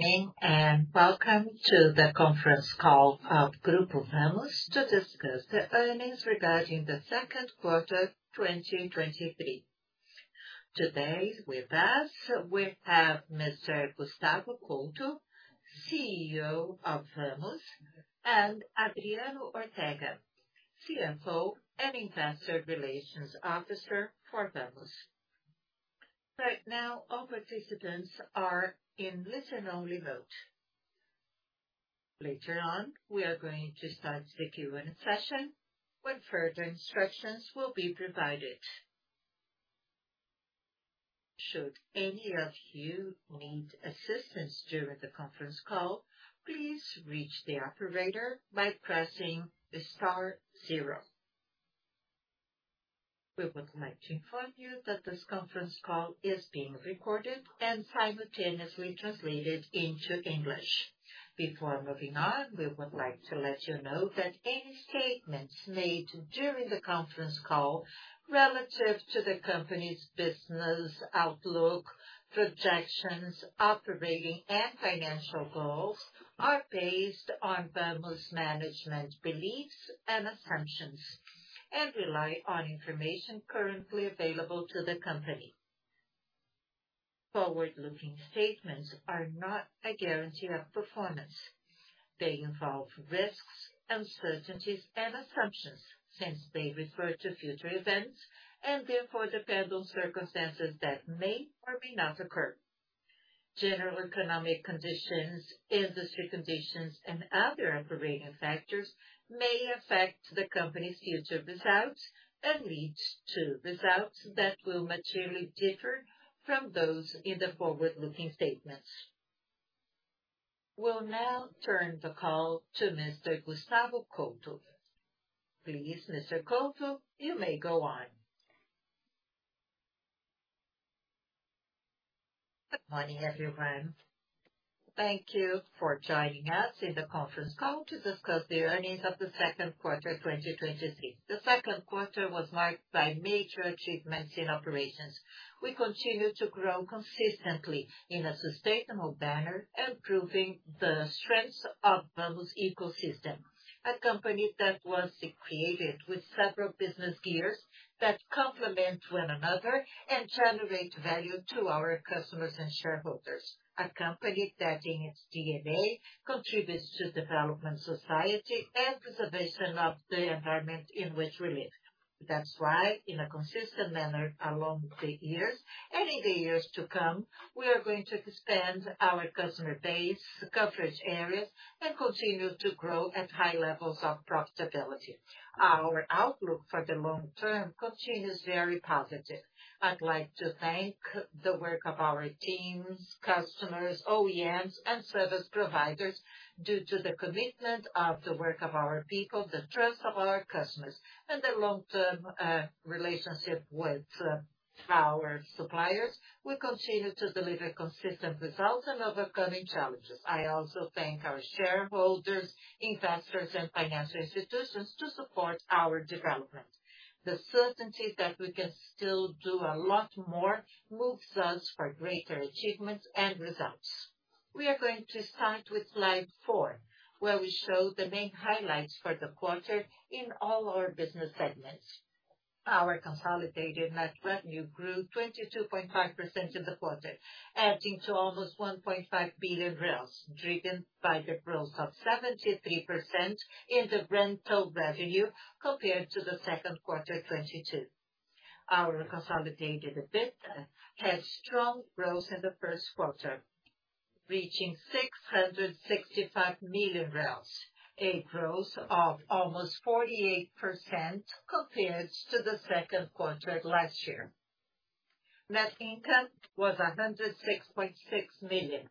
Good morning, welcome to the conference call of Grupo Vamos to discuss the earnings regarding the second quarter, 2023. Today, with us, we have Mr. Gustavo Couto, CEO of Vamos, and Adriano Ortega, CFO and Investor Relations Officer for Vamos. Right now, all participants are in listen-only mode. Later on, we are going to start the Q&A session, when further instructions will be provided. Should any of you need assistance during the conference call, please reach the operator by pressing the star zero. We would like to inform you that this conference call is being recorded and simultaneously translated into English. Before moving on, we would like to let you know that any statements made during the conference call relative to the company's business, outlook, projections, operating, and financial goals are based on Vamos management's beliefs and assumptions, and rely on information currently available to the company. Forward-looking statements are not a guarantee of performance. They involve risks, uncertainties, and assumptions, since they refer to future events and therefore depend on circumstances that may or may not occur. General economic conditions, industry conditions, and other operating factors may affect the company's future results and lead to results that will materially differ from those in the forward-looking statements. We'll now turn the call to Mr. Gustavo Couto. Please, Mr. Couto, you may go on. Good morning, everyone. Thank you for joining us in the conference call to discuss the earnings of the second quarter, 2023. The second quarter was marked by major achievements in operations. We continue to grow consistently in a sustainable manner, improving the strengths of Vamos' ecosystem. A company that was created with several business gears that complement one another and generate value to our customers and shareholders. A company that, in its DNA, contributes to development society and preservation of the environment in which we live. That's why, in a consistent manner along the years and in the years to come, we are going to expand our customer base, coverage areas, and continue to grow at high levels of profitability. Our outlook for the long term continues very positive. I'd like to thank the work of our teams, customers, OEMs, and service providers. Due to the commitment of the work of our people, the trust of our customers, and the long-term relationship with our suppliers, we continue to deliver consistent results and overcoming challenges. I also thank our shareholders, investors, and financial institutions to support our development. The certainty that we can still do a lot more moves us for greater achievements and results. We are going to start with slide 4, where we show the main highlights for the quarter in all our business segments. Our consolidated net revenue grew 22.5% in the quarter, adding to almost 1.5 billion, driven by the growth of 73% in the rental revenue compared to the 2Q 2022. Our consolidated EBITDA had strong growth in the 1Q, reaching 665 million, a growth of almost 48% compared to the 2Q last year. Net income was 106.6 million,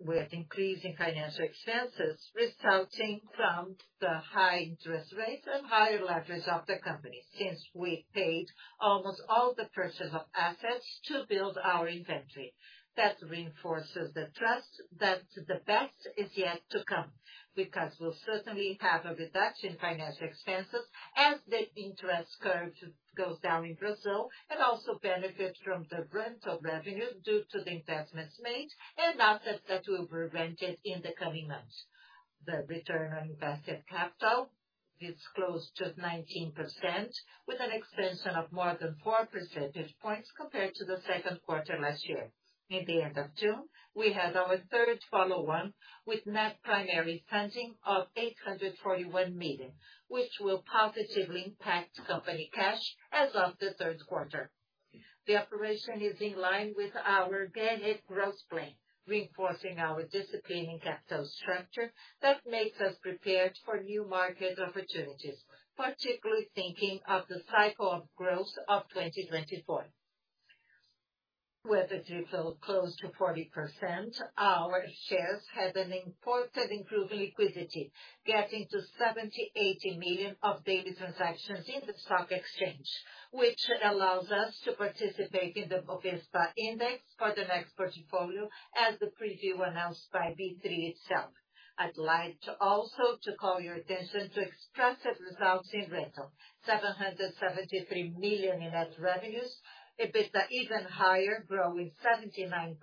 with increasing financial expenses resulting from the high interest rates and higher leverage of the company, since we paid almost all the purchase of assets to build our inventory. That reinforces the trust that the best is yet to come, because we'll certainly have a reduction in financial expenses as the interest curve goes down in Brazil, and also benefit from the rental revenues due to the investments made and assets that will be rented in the coming months. The return on invested capital is close to 19%, with an expansion of more than 4 percentage points compared to the second quarter last year. In the end of June, we had our third follow-on, with net primary funding of 841 million, which will positively impact company cash as of the third quarter. The operation is in line with our organic growth plan, reinforcing our discipline in capital structure that makes us prepared for new market opportunities, particularly thinking of the cycle of growth of 2024. With the drift close to 40%, our shares have an important improved liquidity, getting to 70 million-80 million of daily transactions in the stock exchange, which allows us to participate in the Bovespa index for the next portfolio, as the preview announced by B3 itself. I'd like to also to call your attention to expressive results in rental, 773 million in net revenues. EBITDA, even higher, growing 79%.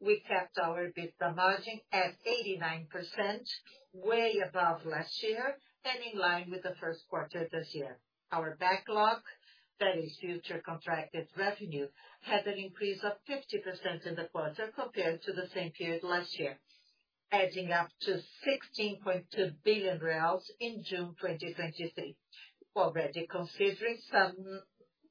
We kept our EBITDA margin at 89%, way above last year and in line with the first quarter this year. Our backlog, that is future contracted revenue, had an increase of 50% in the quarter compared to the same period last year, adding up to 16.2 billion reais in June 2023. Considering some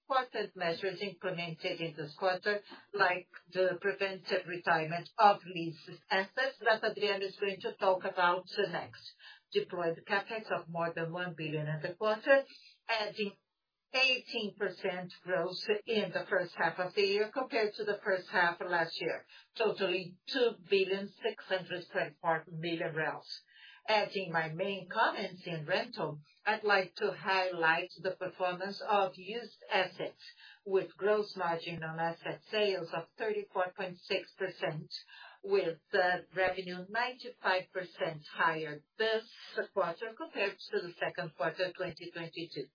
important measures implemented in this quarter, like the preventive retirement of leased assets that Adriano is going to talk about next. Deployed CapEx of more than 1 billion in the quarter, adding 18% growth in the first half of the year compared to the first half of last year, totaling 2,624 million. My main comments in rental, I'd like to highlight the performance of used assets, with gross margin on asset sales of 34.6%, with the revenue 95% higher this quarter compared to the second quarter 2022.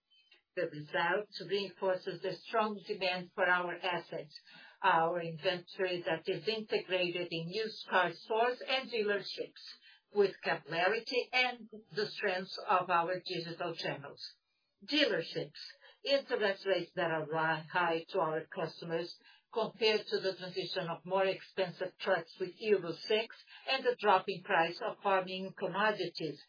The result reinforces the strong demand for our assets, our inventory that is integrated in used car stores and dealerships, with capillarity and the strengths of our digital channels. Dealerships. Interest rates that are high to our customers, compared to the transition of more expensive trucks with Euro VI and the dropping price of farming commodities,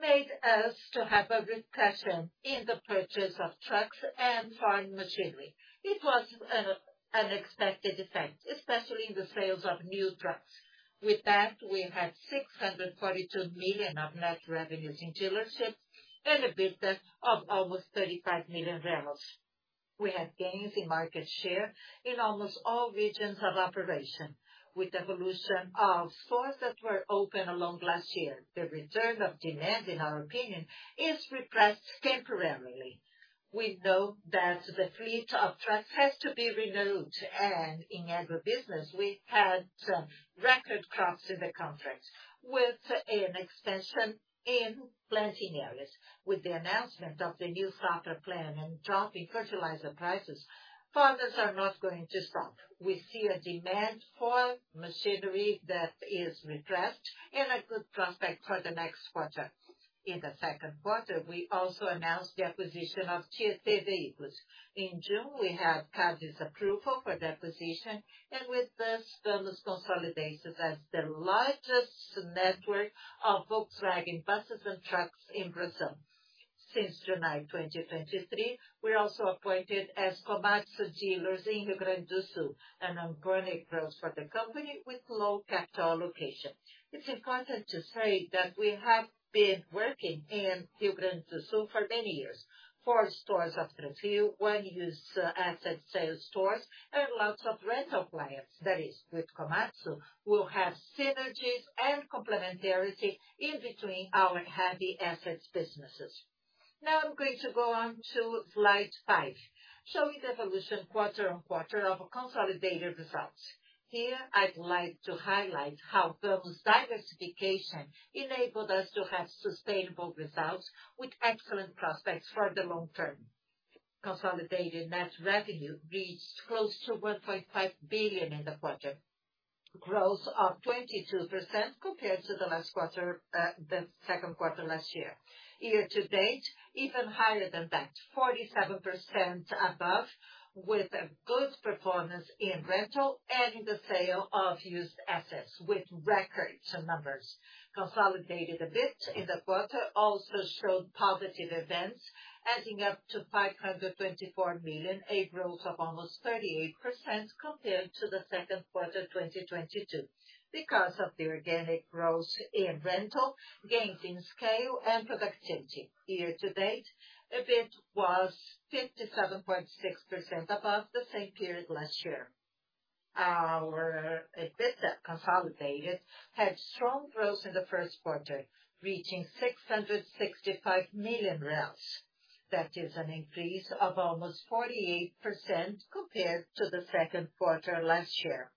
made us to have a repression in the purchase of trucks and farm machinery. It was an expected effect, especially in the sales of new trucks. With that, we had 642 million of net revenues in dealerships and EBITDA of almost 35 million. We had gains in market share in almost all regions of operation, with evolution of stores that were open along last year. The return of demand, in our opinion, is repressed temporarily. We know that the fleet of trucks has to be renewed, and in agribusiness we had record crops in the country, with an expansion in planting areas. With the announcement of the new Safra Plan and drop in fertilizer prices, farmers are not going to stop. We see a demand for machinery that is repressed and a good prospect for the next quarter. In the second quarter, we also announced the acquisition of Tietê Veículos. In June, we had CADE approval for the acquisition, and with this, Vamos consolidated as the largest network of Volkswagen buses and trucks in Brazil. Since July 2023, we're also appointed as Komatsu dealers in Rio Grande do Sul, an organic growth for the company with low capital allocation. It's important to say that we have been working in Rio Grande do Sul for many years. Four stores of Transrio, one used asset sales stores, and lots of rental clients. That is, with Komatsu, we'll have synergies and complementarity in between our heavy assets businesses. Now I'm going to go on to slide 5, showing the evolution quarter on quarter of consolidated results. Here, I'd like to highlight how Vamos's diversification enabled us to have sustainable results with excellent prospects for the long term. Consolidated net revenue reached close to 1.5 billion in the quarter, growth of 22% compared to the last quarter, the second quarter last year. Year to date, even higher than that, 47% above, with a good performance in rental and in the sale of used assets, with record numbers. Consolidated EBIT in the quarter also showed positive events, adding up to 524 million, a growth of almost 38% compared to the second quarter 2022. Because of the organic growth in rental, gains in scale and productivity. Year to date, EBIT was 57.6% above the same period last year. Our EBITDA consolidated had strong growth in the first quarter, reaching 665 million. That is an increase of almost 48% compared to the second quarter last year,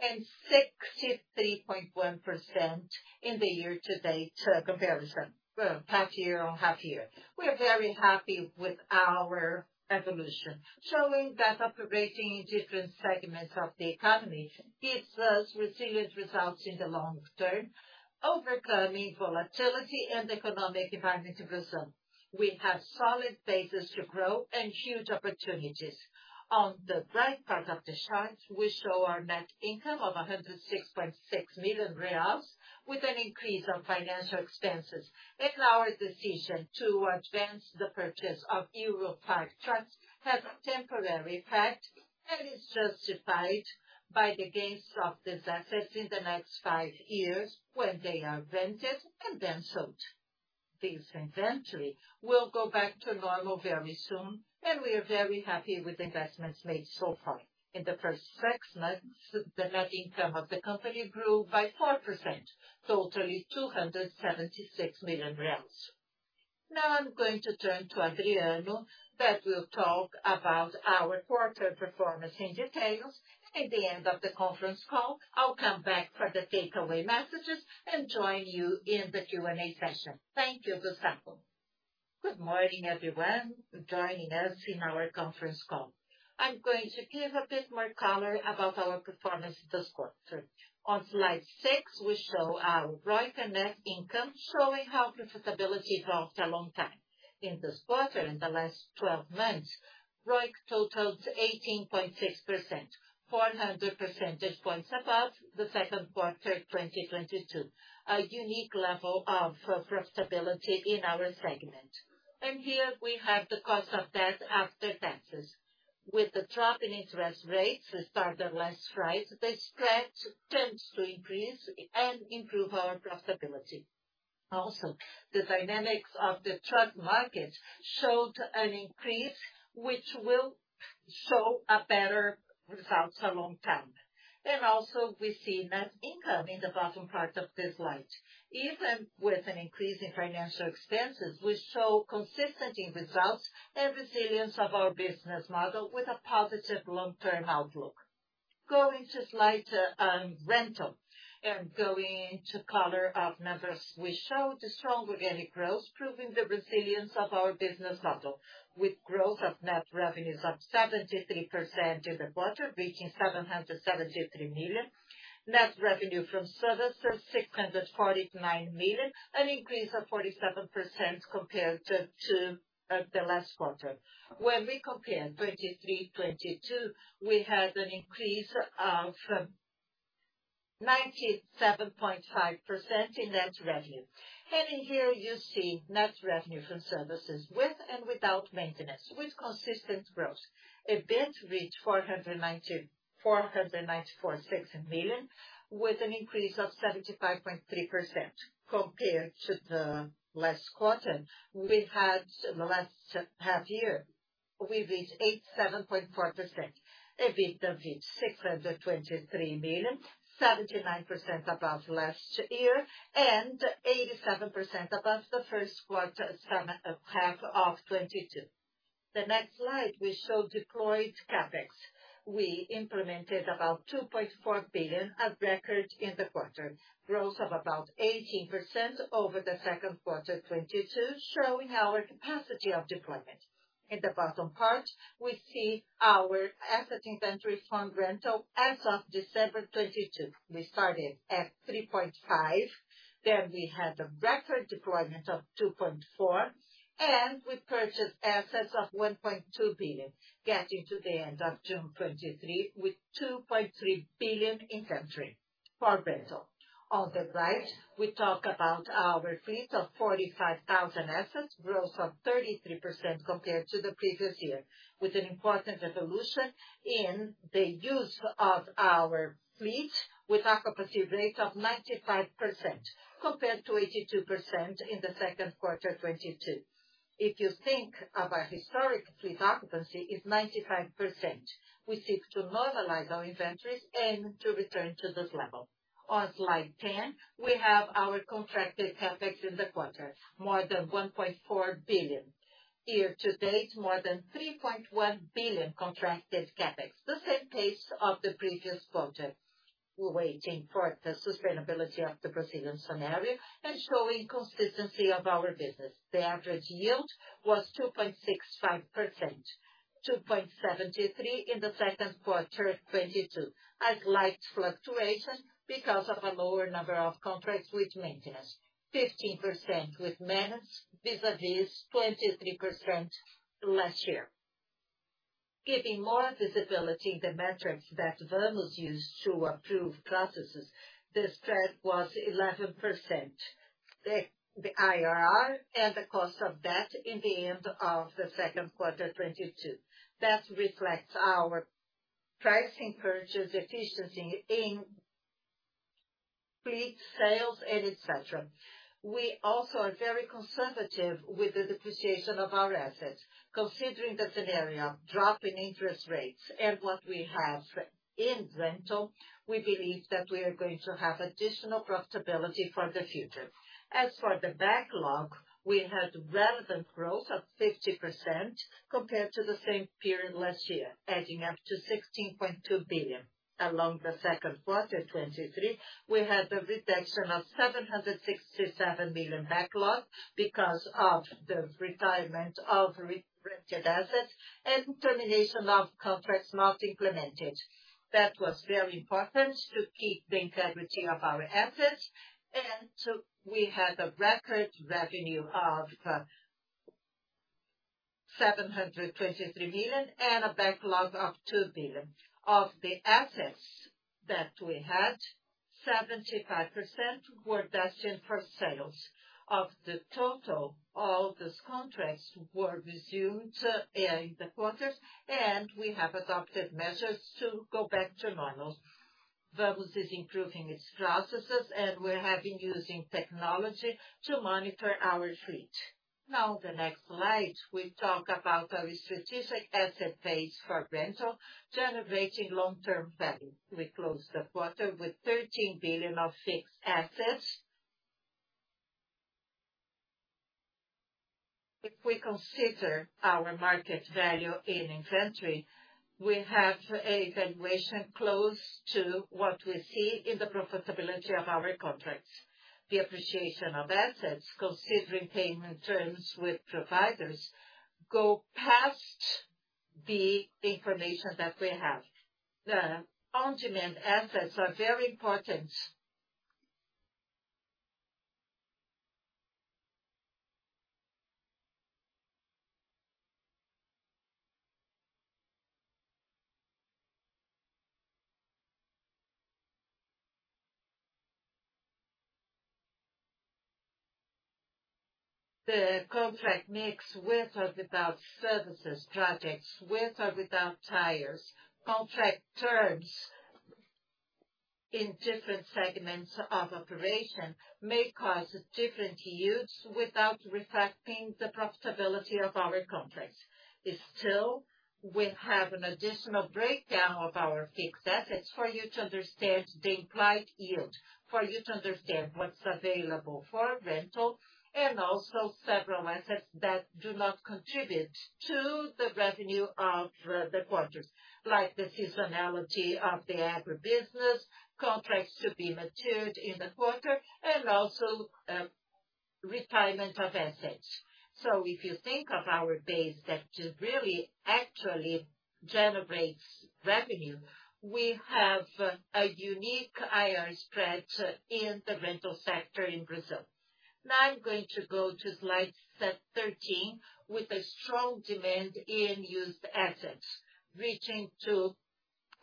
and 63.1% in the year-to-date comparison. Well, half-year on half-year. We're very happy with our evolution, showing that operating in different segments of the economy gives us resilient results in the long term, overcoming volatility and economic environment in Brazil. We have solid basis to grow and huge opportunities. On the right part of the chart, we show our net income of 106.6 million reais, with an increase on financial expenses and our decision to advance the purchase of Euro V trucks has a temporary impact and is justified by the gains of these assets in the next five years when they are rented and then sold. This inventory will go back to normal very soon. We are very happy with the investments made so far. In the first six months, the net income of the company grew by 4%, totaling 276 million reais. Now I'm going to turn to Adriano, that will talk about our quarter performance in details. At the end of the conference call, I'll come back for the takeaway messages and join you in the Q&A session. Thank you, Gustavo. Good morning, everyone, joining us in our conference call. I'm going to give a bit more color about our performance this quarter. On slide six, we show our ROIC and net income, showing how profitability grows for a long time. In this quarter, in the last 12 months, ROIC totaled 18.6%, 400 percentage points above the second quarter, 2022. A unique level of profitability in our segment. Here we have the cost of debt after taxes. With the drop in interest rates that started last price, the spread tends to increase and improve our profitability. The dynamics of the truck market showed an increase, which will show a better results along time. Also we see net income in the bottom part of this slide. Even with an increase in financial expenses, we show consistency results and resilience of our business model with a positive long-term outlook. Going to slide, rental, and going into color of numbers, we show the strong organic growth, proving the resilience of our business model, with growth of net revenues of 73% in the quarter, reaching 773 million. Net revenue from services, 649 million, an increase of 47% compared to the last quarter. When we compare 2023, 2022, we had an increase of 97.5% in net revenue. In here, you see net revenue from services with and without maintenance, with consistent growth. EBIT reached 494.6 million, with an increase of 75.3% compared to the last quarter. We had, in the last half year, we reached 87.4%. EBITDA reached 623 million, 79% above last year, and 87% above the first quarter, summer, half of 2022. The next slide, we show deployed CapEx. We implemented about 2.4 billion of record in the quarter, growth of about 18% over the 2Q 2022, showing our capacity of deployment. In the bottom part, we see our asset inventory from rental as of December 2022. We started at 3.5 billion, we had a record deployment of 2.4 billion, and we purchased assets of 1.2 billion, getting to the end of June 2023, with 2.3 billion inventory for rental. On the right, we talk about our fleet of 45,000 assets, growth of 33% compared to the previous year, with an important revolution in the use of our fleet, with occupancy rate of 95%, compared to 82% in the 2Q 2022. If you think of our historic fleet, occupancy is 95%. We seek to normalize our inventories and to return to this level. On slide 10, we have our contracted CapEx in the quarter, more than 1.4 billion. Year to date, more than 3.1 billion contracted CapEx, the same pace of the previous quarter. We're waiting for the sustainability of the Brazilian scenario and showing consistency of our business. The average yield was 2.65%, 2.73 in the second quarter of 2022. A slight fluctuation because of a lower number of contracts with maintenance. 15% with maintenance, vis-a-vis 23% last year. Giving more visibility in the metrics that Vamos used to approve processes, the spread was 11%. The IRR and the cost of debt in the end of the second quarter, 2022. That reflects our pricing purchase efficiency in fleet sales and et cetera. We also are very conservative with the depreciation of our assets. Considering the scenario, drop in interest rates and what we have in rental, we believe that we are going to have additional profitability for the future. As for the backlog, we had relevant growth of 50% compared to the same period last year, adding up to 16.2 billion. Along the second quarter 2023, we had a reduction of 767 million backlog because of the retirement of re-rented assets and termination of contracts not implemented. That was very important to keep the integrity of our assets. We had a record revenue of 723 million and a backlog of 2 billion. Of the assets that we had, 75% were destined for sales. Of the total, all those contracts were resumed in the quarter, and we have adopted measures to go back to normal. Vamos is improving its processes, and we're having using technology to monitor our fleet. Now, the next slide, we talk about our strategic asset base for rental, generating long-term value. We closed the quarter with 13 billion of fixed assets. If we consider our market value in inventory, we have a valuation close to what we see in the profitability of our contracts. The appreciation of assets, considering payment terms with providers, go past the information that we have. The on-demand assets are very important. The contract mix, with or without services, projects, with or without tires, contract terms in different segments of operation may cause different yields without reflecting the profitability of our contracts. Still, we have an additional breakdown of our fixed assets for you to understand the implied yield, for you to understand what's available for rental, and also several assets that do not contribute to the revenue of the quarters, like the seasonality of the agribusiness, contracts to be matured in the quarter, and also retirement of assets. If you think of our base that just really actually generates revenue, we have a unique IR spread in the rental sector in Brazil. I'm going to go to slide set 13, with a strong demand in used assets, reaching to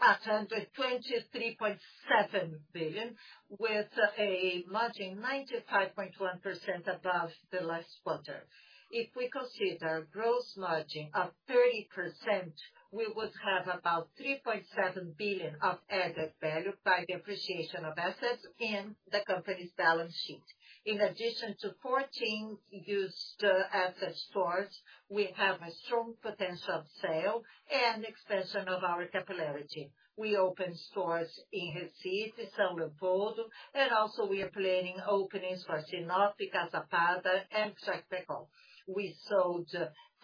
123.7 billion, with a margin 95.1% above the last quarter. If we consider gross margin of 30%, we would have about 3.7 billion of added value by the appreciation of assets in the company's balance sheet. In addition to 14 used asset stores, we have a strong potential of sale and expansion of our capillarity. We opened stores in Recife, São Leopoldo, and also we are planning openings for Sinop, Caçapava, and Chapecó. We sold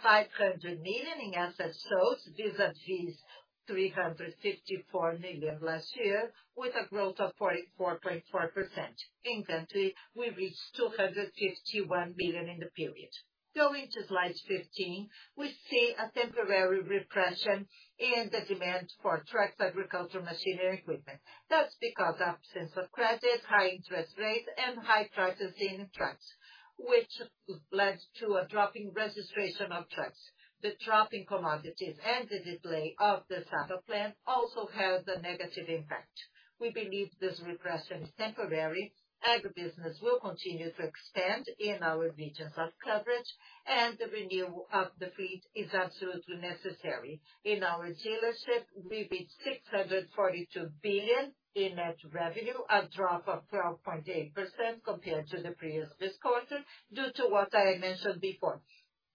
500 million in asset sales, vis-a-vis 354 million last year, with a growth of 44.4%. Inventory, we reached 251 billion in the period. Going to slide 15, we see a temporary repression in the demand for trucks, agricultural machinery, and equipment. That's because absence of credit, high interest rates, and high prices in trucks, which led to a drop in registration of trucks. The drop in commodities and the delay of the Plano Safra also has a negative impact. We believe this repression is temporary. Agribusiness will continue to expand in our regions of coverage, the renewal of the fleet is absolutely necessary. In our dealership, we reached 642 billion in net revenue, a drop of 12.8% compared to the previous this quarter, due to what I mentioned before.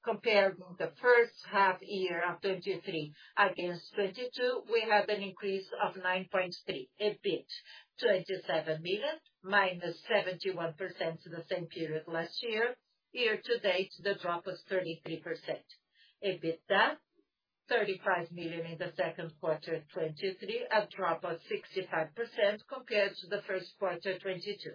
Compared with the first half of 2023 against 2022, we have an increase of 9.3%, EBIT, 27 million, -71% to the same period last year. Year to date, the drop was 33%. EBITDA, 35 million in the second quarter of 2023, a drop of 65% compared to the first quarter of 2022.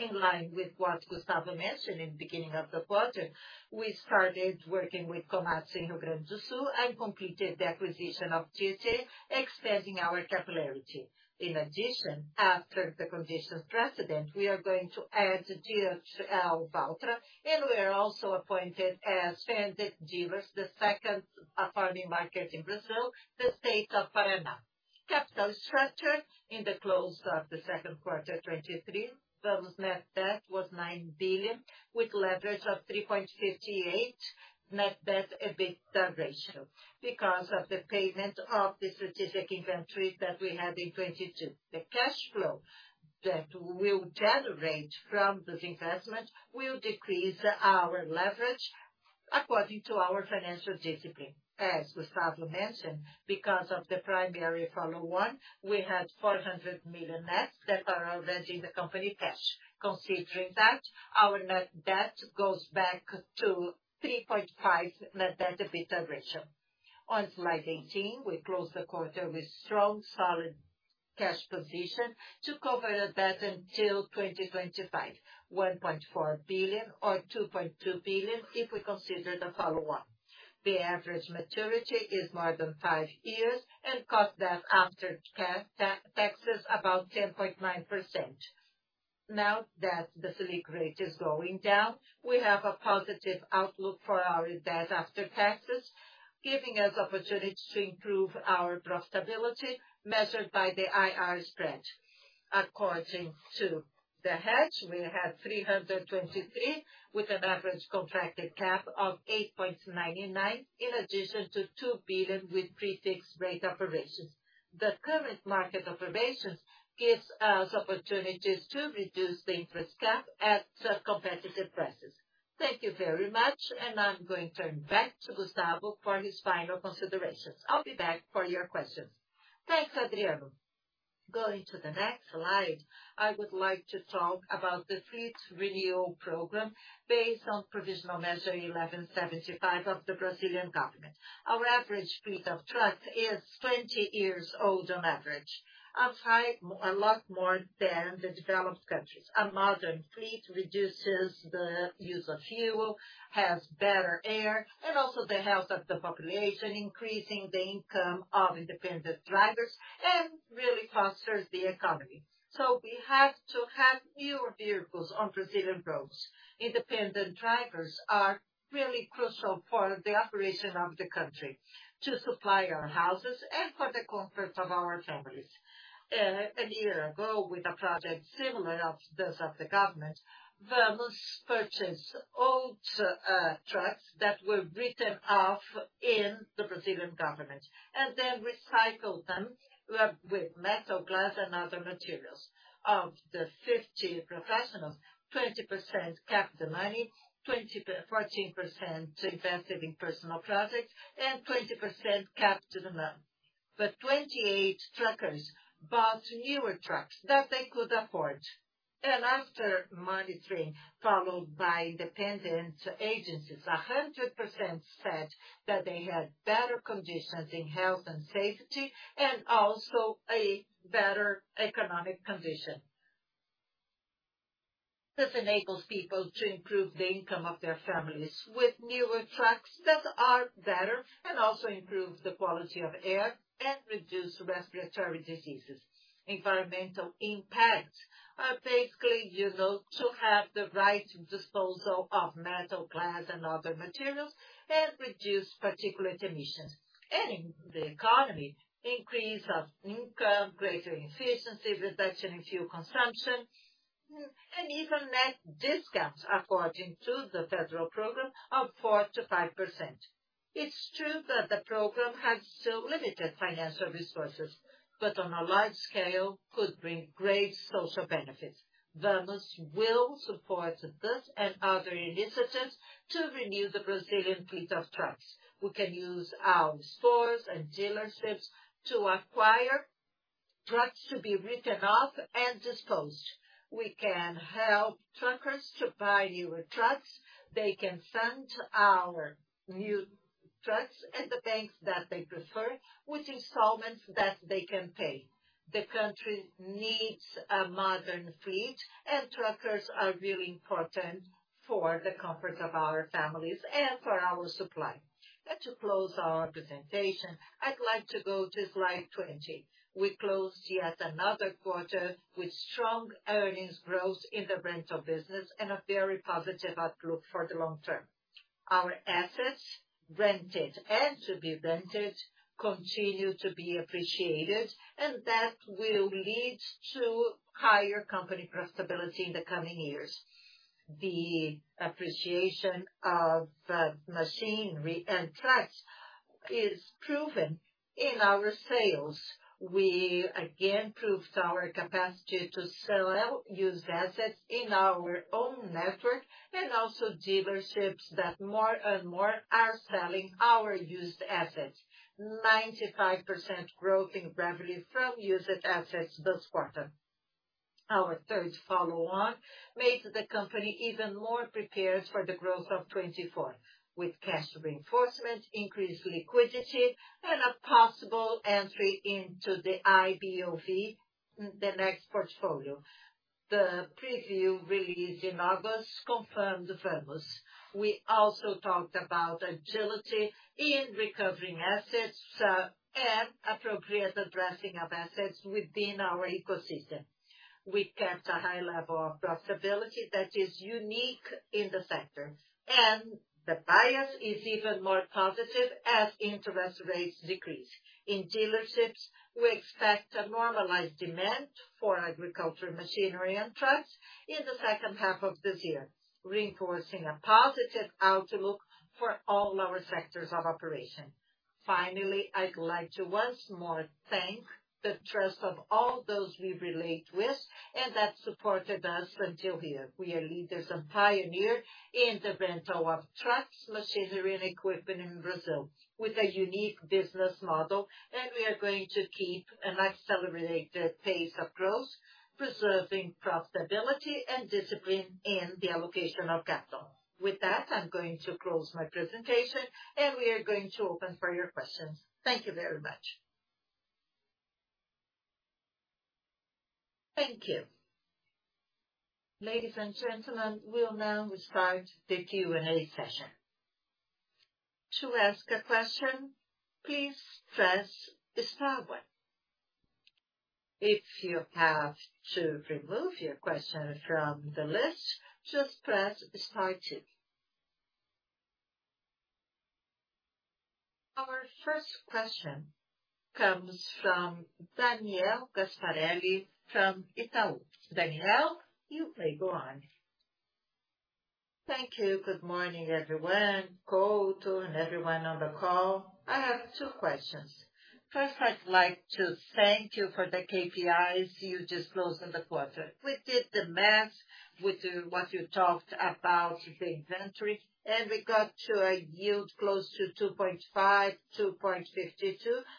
In line with what Gustavo mentioned in the beginning of the quarter, we started working with Komatsu in Rio Grande do Sul and completed the acquisition of Tietê, expanding our capillarity. In addition, after the conditions precedent, we are going to add DHL Tratores, and we are also appointed as Fendt dealers, the second farming market in Brazil, the state of Paraná. Capital structure in the close of the 2Q 2023, Vamos's net debt was $9 billion, with leverage of 3.58 net debt, EBITDA ratio. Because of the payment of the strategic inventory that we had in 2022, the cash flow that will generate from this investment will decrease our leverage according to our financial discipline. As Gustavo mentioned, because of the primary follow one, we had $400 million net that are already in the company cash. Considering that, our net debt goes back to 3.5 net debt to EBITDA ratio. On slide 18, we close the quarter with strong, solid cash position to cover the debt until 2025, 1.4 billion or 2.2 billion if we consider the follow-up. The average maturity is more than five years and cost debt after taxes, about 10.9%. Now that the Selic rate is going down, we have a positive outlook for our debt after taxes, giving us opportunities to improve our profitability, measured by the IRR spread. According to the hedge, we have 323, with an average contracted cap of 8.99%, in addition to 2 billion with prefixed rate operations. The current market operations give us opportunities to reduce the interest cap at just competitive prices. Thank you very much. I'm going to turn back to Gustavo for his final considerations. I'll be back for your questions. Thanks, Adriano. Going to the next slide, I would like to talk about the fleet renewal program based on Provisional Measure 1,175 of the Brazilian government. Our average fleet of trucks is 20 years old on average, upside, a lot more than the developed countries. A modern fleet reduces the use of fuel, has better air, and also the health of the population, increasing the income of independent drivers and really fosters the economy. We have to have newer vehicles on Brazilian roads. Independent drivers are really crucial for the operation of the country to supply our houses and for the comfort of our families. A year ago, with a project similar of those of the government, Vamos purchased old trucks that were written off in the Brazilian government and then recycled them with metal, glass, and other materials. Of the 50 professionals, 20% kept the money, 14% invested in personal projects, and 20% kept the money. Twenty-eight truckers bought newer trucks that they could afford, and after monitoring, followed by independent agencies, 100% said that they had better conditions in health and safety and also a better economic condition. This enables people to improve the income of their families with newer trucks that are better and also improve the quality of air and reduce respiratory diseases. Environmental impact are basically, you know, to have the right disposal of metal, glass, and other materials and reduce particulate emissions. In the economy, increase of income, greater efficiency, reduction in fuel consumption, and even net discounts, according to the federal program, of 4%-5%. It's true that the program has still limited financial resources, on a large scale could bring great social benefits. Vamos will support this and other initiatives to renew the Brazilian fleet of trucks. We can use our stores and dealerships to acquire trucks to be written off and disposed. We can help truckers to buy newer trucks. They can send our new trucks at the banks that they prefer, with installments that they can pay. The country needs a modern fleet, truckers are really important for the comfort of our families and for our supply. To close our presentation, I'd like to go to slide 20. We closed yet another quarter with strong earnings growth in the rental business and a very positive outlook for the long term. Our assets, rented and to be rented, continue to be appreciated, that will lead to higher company profitability in the coming years. The appreciation of machinery and trucks is proven in our sales. We again proved our capacity to sell used assets in our own network and also dealerships that more and more are selling our used assets. 95% growth in revenue from used assets this quarter. Our third follow-on made the company even more prepared for the growth of 2024, with cash reinforcement, increased liquidity, and a possible entry into the IBOV, the next portfolio. The preview released in August confirmed the Vamos. We also talked about agility in recovering assets and appropriate addressing of assets within our ecosystem. We kept a high level of profitability that is unique in the sector, the bias is even more positive as interest rates decrease. In dealerships, we expect a normalized demand for agriculture, machinery, and trucks in the second half of this year, reinforcing a positive outlook for all our sectors of operation. Finally, I'd like to once more thank the trust of all those we relate with and that supported us until here. We are leaders and pioneer in the rental of trucks, machinery, and equipment in Brazil, with a unique business model, and we are going to keep an accelerated pace of growth, preserving profitability and discipline in the allocation of capital. With that, I'm going to close my presentation, and we are going to open for your questions. Thank you very much. Thank you. Ladies and gentlemen, we will now start the Q&A session. To ask a question, please press star one. If you have to remove your question from the list, just press star two. Our first question comes from Daniel Gasparetto, from Itaú. Daniel, you may go on. Thank you. Good morning, everyone, Couto and everyone on the call. I have two questions. First, I'd like to thank you for the KPIs you just closed in the quarter. With what you talked about the inventory, we got to a yield close to 2.5, 2.52,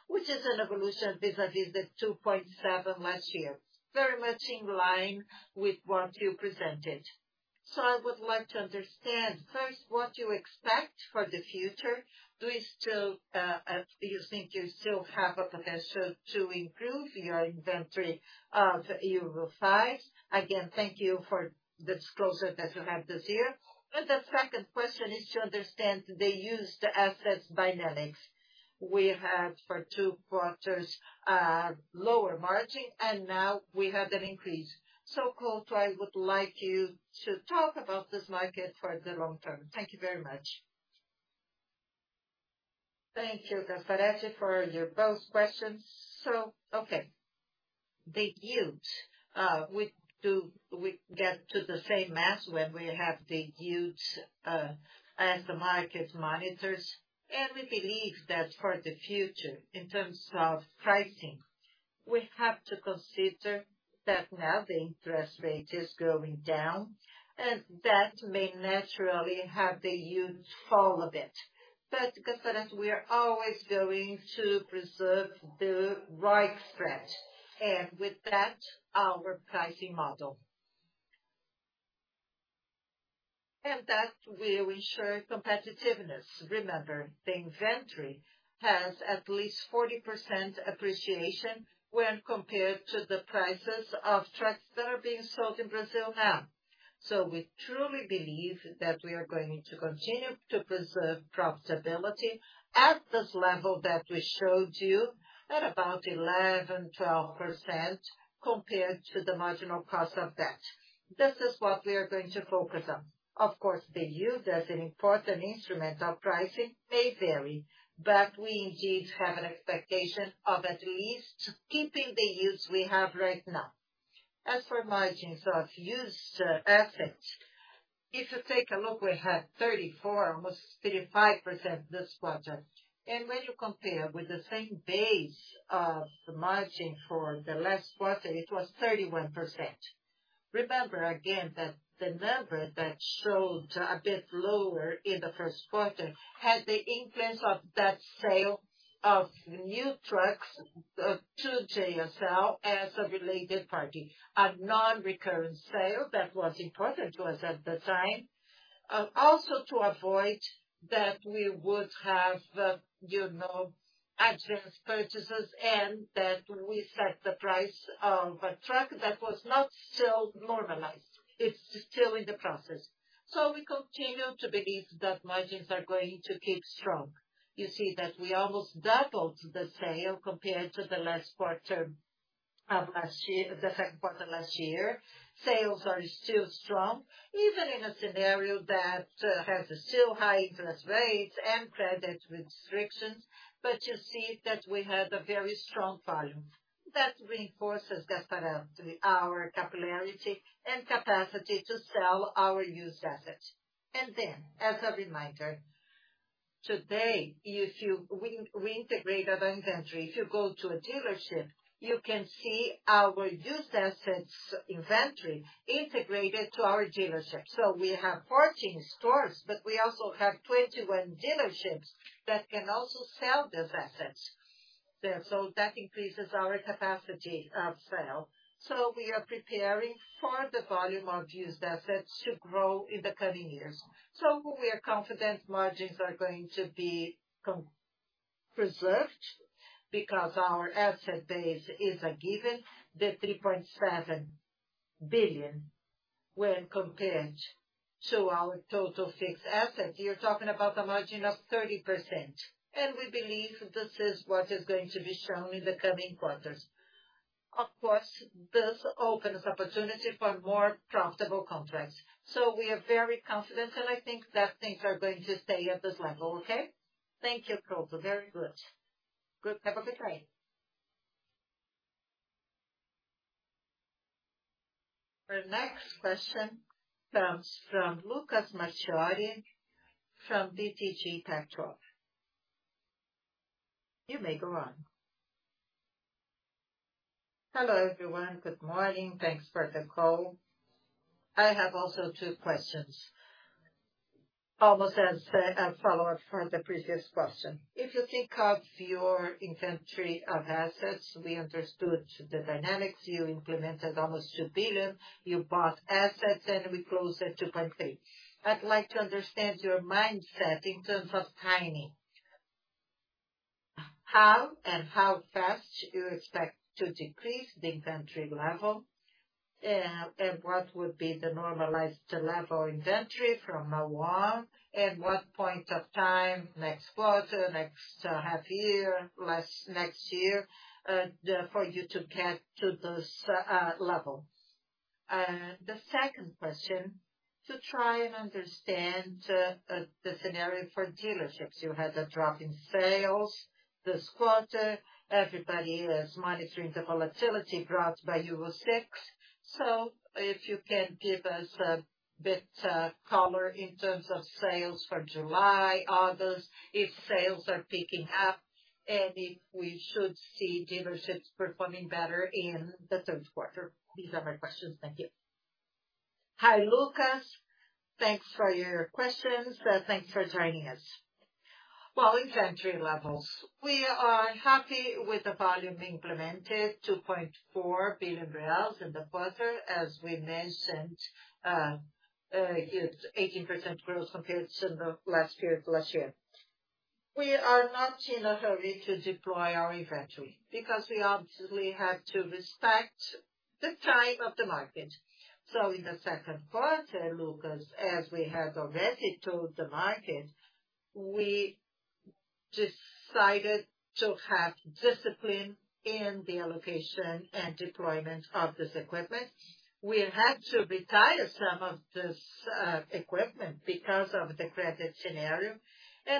which is an evolution vis-a-vis the 2.7 last year. Very much in line with what you presented. I would like to understand, first, what you expect for the future. Do you still think you still have a potential to improve your inventory of Euro V? Again, thank you for the disclosure that you have this year. The second question is to understand the used assets dynamics. We had for two quarters lower margin, and now we have an increase. Couto, I would like you to talk about this market for the long term. Thank you very much. Thank you, Gasparetto, for your both questions. Okay, the yield, we get to the same as when we have the yield as the market monitors, and we believe that for the future, in terms of pricing, we have to consider that now the interest rate is going down, and that may naturally have the yield fall a bit. Gasparetto, we are always going to preserve the right spread, and with that, our pricing model. That will ensure competitiveness. Remember, the inventory has at least 40% appreciation when compared to the prices of trucks that are being sold in Brazil now. We truly believe that we are going to continue to preserve profitability at this level that we showed you, at about 11%-12%, compared to the marginal cost of that. This is what we are going to focus on. Of course, the yield as an important instrument of pricing may vary, but we indeed have an expectation of at least keeping the yields we have right now. As for margins of used assets, if you take a look, we had 34%, almost 35% this quarter, and when you compare with the same base of the margin for the last quarter, it was 31%. Remember, again, that the number that showed a bit lower in the first quarter had the influence of that sale of new trucks to JSL as a related party. A non-recurrent sale that was important to us at the time, also to avoid that we would have, you know, advance purchases and that we set the price of a truck that was not still normalized. It's still in the process. We continue to believe that margins are going to keep strong. You see that we almost doubled the sale compared to the last quarter of last year, the second quarter last year. Sales are still strong, even in a scenario that has still high interest rates and credit restrictions, but you see that we had a very strong volume. That reinforces, Gasparetto, our capillarity and capacity to sell our used assets. Then, as a reminder, today, if you-- we, we integrated the inventory. If you go to a dealership, you can see our used assets inventory integrated to our dealerships. We have 14 stores, but we also have 21 dealerships that can also sell these assets. That increases our capacity of sale. We are preparing for the volume of used assets to grow in the coming years. We are confident margins are going to be preserved, because our asset base is a given, the 3.7 billion, when compared to our total fixed assets, you're talking about a margin of 30%. We believe this is what is going to be shown in the coming quarters. Of course, this opens opportunity for more profitable contracts. We are very confident, and I think that things are going to stay at this level, okay? Thank you, Couto. Very good. Have a good day. Our next question comes from Lucas Marquiori, from BTG Pactual. You may go on. Hello, everyone. Good morning. Thanks for the call. I have also two questions. Almost as a follow-up for the previous question. If you think of your inventory of assets, we understood the dynamics. You implemented almost 2 billion, you bought assets, and we closed at 2.3 billion. I'd like to understand your mindset in terms of timing. How and how fast you expect to decrease the inventory level, and what would be the normalized level inventory from now on, and what point of time, next quarter, next, half year, last, next year, the, for you to get to this, level? The second question, to try and understand, the scenario for dealerships. You had a drop in sales this quarter. Everybody is monitoring the volatility brought by Euro VI. If you can give us a bit color in terms of sales for July, August, if sales are picking up? And if we should see dealerships performing better in the third quarter. These are my questions. Thank you. Hi, Lucas. Thanks for your questions. Thanks for joining us. Well, inventory levels. We are happy with the volume implemented, 2.4 billion reais in the quarter, as we mentioned, gives 18% growth compared to the last period last year. We are not in a hurry to deploy our inventory, because we obviously have to respect the time of the market. In the second quarter, Lucas, as we had already told the market, we decided to have discipline in the allocation and deployment of this equipment. We had to retire some of this equipment because of the credit scenario,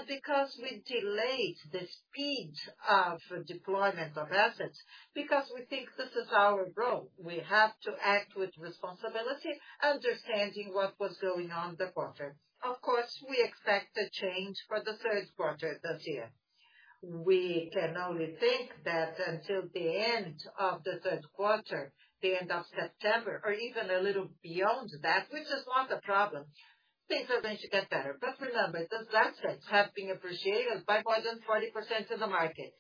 because we delayed the speed of deployment of assets, because we think this is our role. We have to act with responsibility, understanding what was going on in the quarter. Of course, we expect a change for the third quarter this year. We can only think that until the end of the third quarter, the end of September, or even a little beyond that, which is not a problem, things are going to get better. Remember, those assets have been appreciated by more than 40% in the market.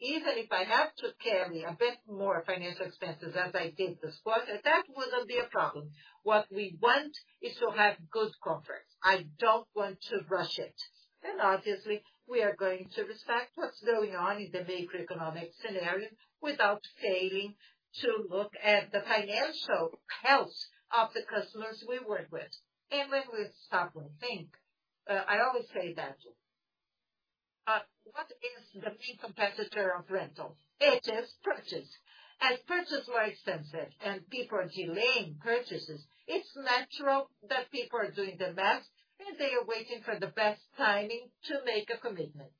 Even if I have to carry a bit more financial expenses as I did this quarter, that wouldn't be a problem. What we want is to have good comfort. I don't want to rush it. Obviously, we are going to respect what's going on in the macroeconomic scenario without failing to look at the financial health of the customers we work with. When we stop and think, I always say that, what is the main competitor of rental? It is purchase. As purchase like sensitive and people are delaying purchases, it's natural that people are doing the math, and they are waiting for the best timing to make a commitment.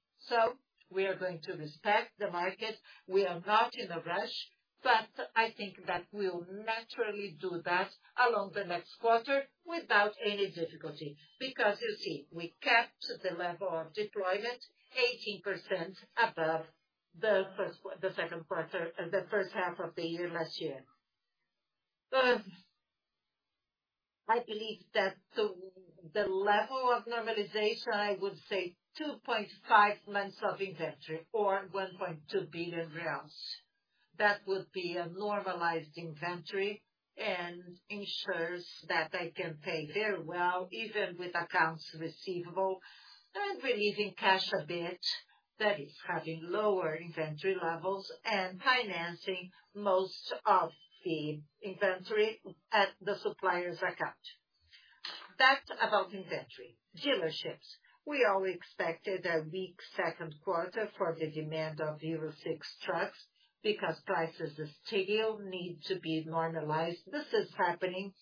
We are going to respect the market. We are not in a rush, but I think that we'll naturally do that along the next quarter without any difficulty. You see, we kept the level of deployment 18% above the second quarter, the first half of the year, last year. I believe that the, the level of normalization, I would say 2.5 months of inventory or 1.2 billion. That would be a normalized inventory and ensures that I can pay very well, even with accounts receivable, and relieving cash a bit, that is having lower inventory levels and financing most of the inventory at the supplier's account. That's about inventory. Dealerships. We all expected a weak second quarter for the demand of Euro VI trucks, because prices are still need to be normalized. This is happening.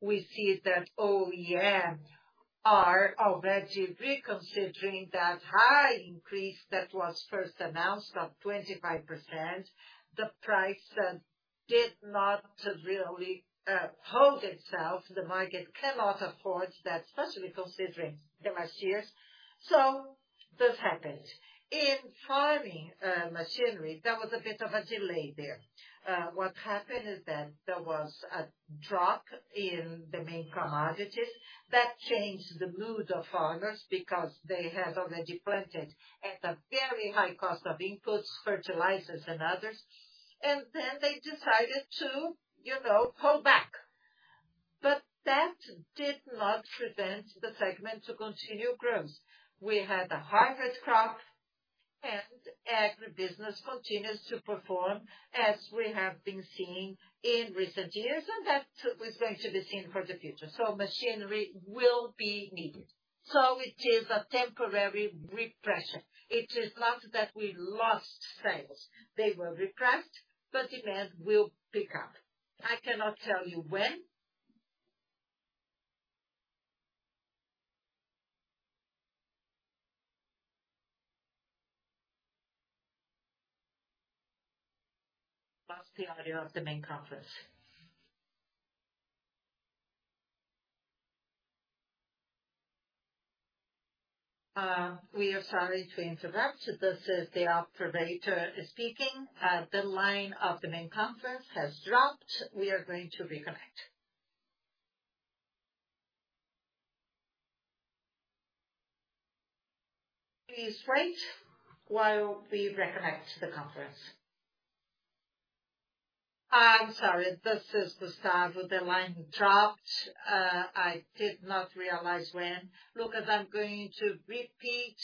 We see that OEM are already reconsidering that high increase that was first announced of 25%. The price did not really hold itself. The market cannot afford that, especially considering last years. So this happened. In farming machinery, there was a bit of a delay there. What happened is that there was a drop in the main commodities. That changed the mood of farmers because they had already planted at a very high cost of inputs, fertilizers and others, and then they decided to, you know, hold back. That did not prevent the segment to continue growth. We had a harvest crop, and agribusiness continues to perform as we have been seeing in recent years, and that was going to be seen for the future. Machinery will be needed. It is a temporary repression. It is not that we lost sales. They were repressed, but demand will pick up. I cannot tell you when. Lost the audio of the main conference. We are sorry to interrupt. This is the operator speaking. The line of the main conference has dropped. We are going to reconnect. Please wait while we reconnect the conference. I'm sorry, this is Gustavo. The line dropped. I did not realize when. Lucas, I'm going to repeat.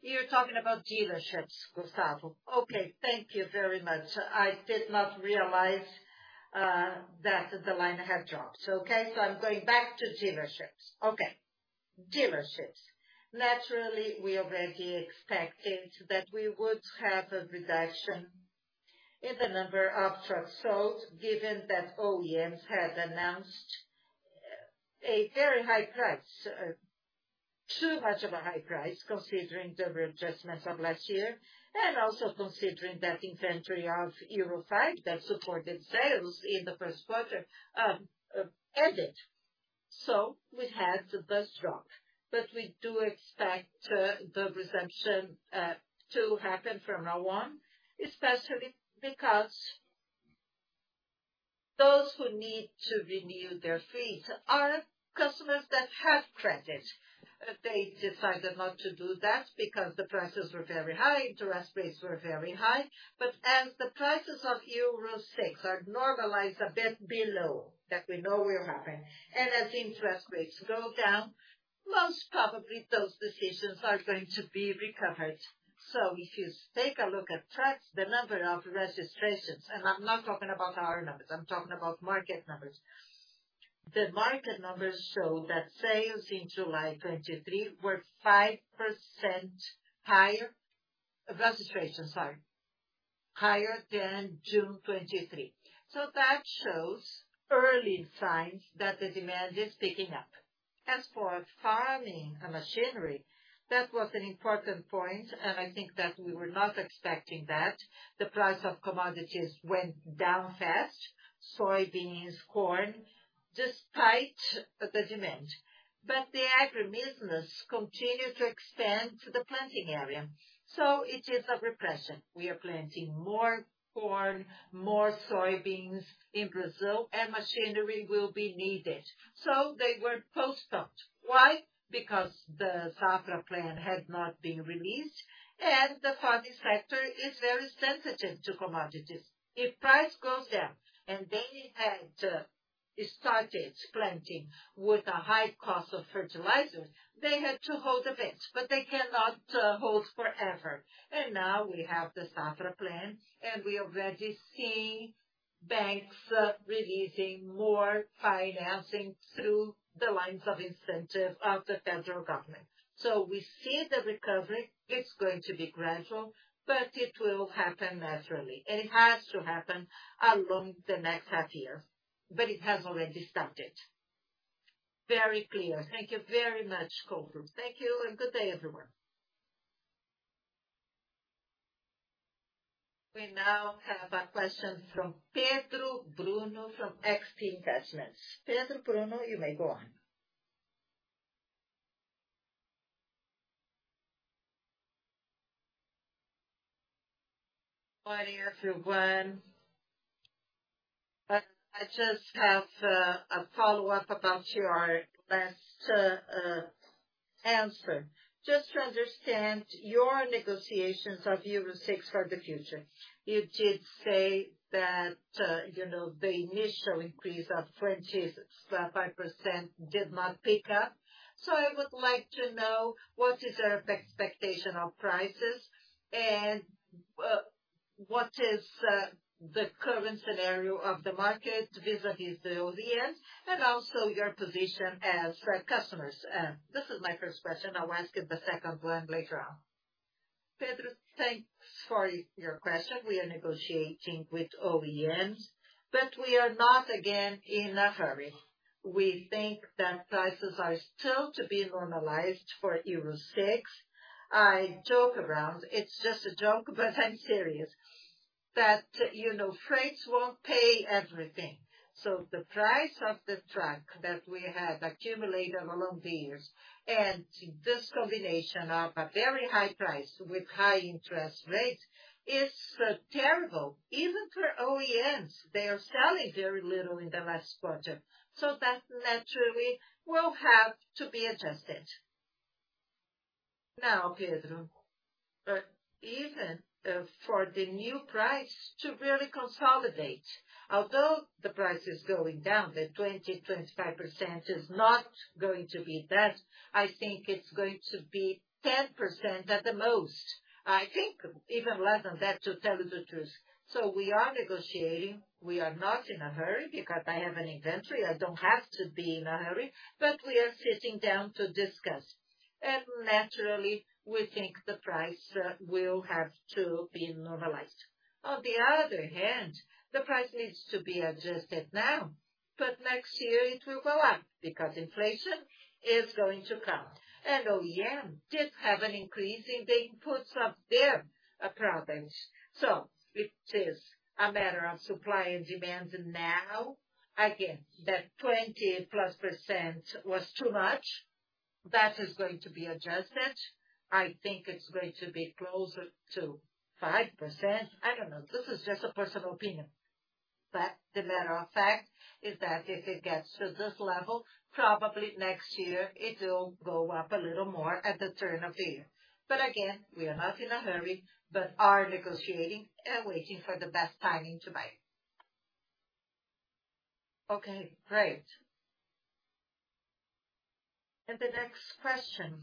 You're talking about dealerships, Gustavo. Okay. Thank you very much. I did not realize that the line had dropped. Okay, I'm going back to dealerships. Okay. Dealerships. Naturally, we already expected that we would have a reduction in the number of trucks sold, given that OEMs had announced a very high price, too much of a high price, considering the adjustments of last year, and also considering that inventory of Euro V that supported sales in the first quarter ended. We had the best drop, but we do expect the resumption to happen from now on, especially because those who need to renew their fleet are customers that have credit, but they decided not to do that because the prices were very high, interest rates were very high. As the prices of Euro VI are normalized a bit below that we know will happen, and as interest rates go down, most probably those decisions are going to be recovered. If you take a look at trucks, the number of registrations, and I'm not talking about our numbers, I'm talking about market numbers. The market numbers show that sales in July 2023 were 5% higher, registrations, sorry, higher than June 2023. That shows early signs that the demand is picking up. As for farming and machinery, that was an important point, and I think that we were not expecting that. The price of commodities went down fast, soybeans, corn, despite the demand. The agribusiness continued to expand to the planting area, so it is a repression. We are planting more corn, more soybeans in Brazil, and machinery will be needed. They were postponed. Why? Because the Safra Plan had not been released, and the farming sector is very sensitive to commodities. If price goes down and they had started planting with a high cost of fertilizers, they had to hold a bit, but they cannot hold forever. Now we have the Safra Plan, and we already see banks releasing more financing through the lines of incentive of the federal government. We see the recovery. It's going to be gradual, but it will happen naturally, and it has to happen along the next half year, but it has already started. Very clear. Thank you very much, Couto. Thank you, and good day, everyone. We now have a question from Pedro Bruno, from XP Investments. Pedro Bruno, you may go on. Good morning, everyone. I just have a follow-up about your last answer. Just to understand your negotiations of Euro VI for the future, you did say that, you know, the initial increase of 20%-25% did not pick up. I would like to know, what is your ex-expectation of prices, and what is the current scenario of the market vis-a-vis the OEMs, and also your position as customers? This is my first question. I will ask you the second one later on. Pedro, thanks for your question. We are negotiating with OEMs, but we are not, again, in a hurry. We think that prices are still to be normalized for Euro VI. I joke around, it's just a joke, but I'm serious, that, you know, freights won't pay everything. The price of the truck that we have accumulated along the years, and this combination of a very high price with high interest rates is terrible. Even for OEMs, they are selling very little in the last quarter, that naturally will have to be adjusted. Pedro, even for the new price to really consolidate, although the price is going down, the 20%-25% is not going to be that. I think it's going to be 10% at the most. I think even less than that, to tell you the truth. We are negotiating. We are not in a hurry because I have an inventory. I don't have to be in a hurry, but we are sitting down to discuss, and naturally, we think the price will have to be normalized. On the other hand, the price needs to be adjusted now, but next year it will go up because inflation is going to come and OEM did have an increase in the inputs of their products. It is a matter of supply and demand now. Again, that 20+ % was too much. That is going to be adjusted. I think it's going to be closer to 5%. I don't know. This is just a personal opinion, but the matter of fact is that if it gets to this level, probably next year it will go up a little more at the turn of the year. Again, we are not in a hurry, but are negotiating and waiting for the best timing to buy. Okay, great. The next question...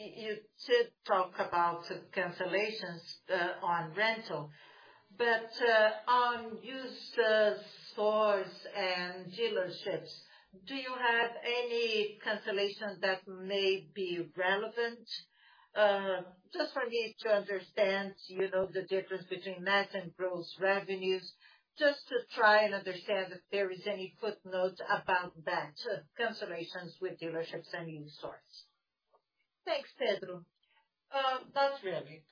You did talk about the cancellations on rental, on used stores and dealerships, do you have any cancellations that may be relevant? Just for me to understand, you know, the difference between net and gross revenues, just to try and understand if there is any footnote about that, cancellations with dealerships and used stores. Thanks, Pedro. Not really.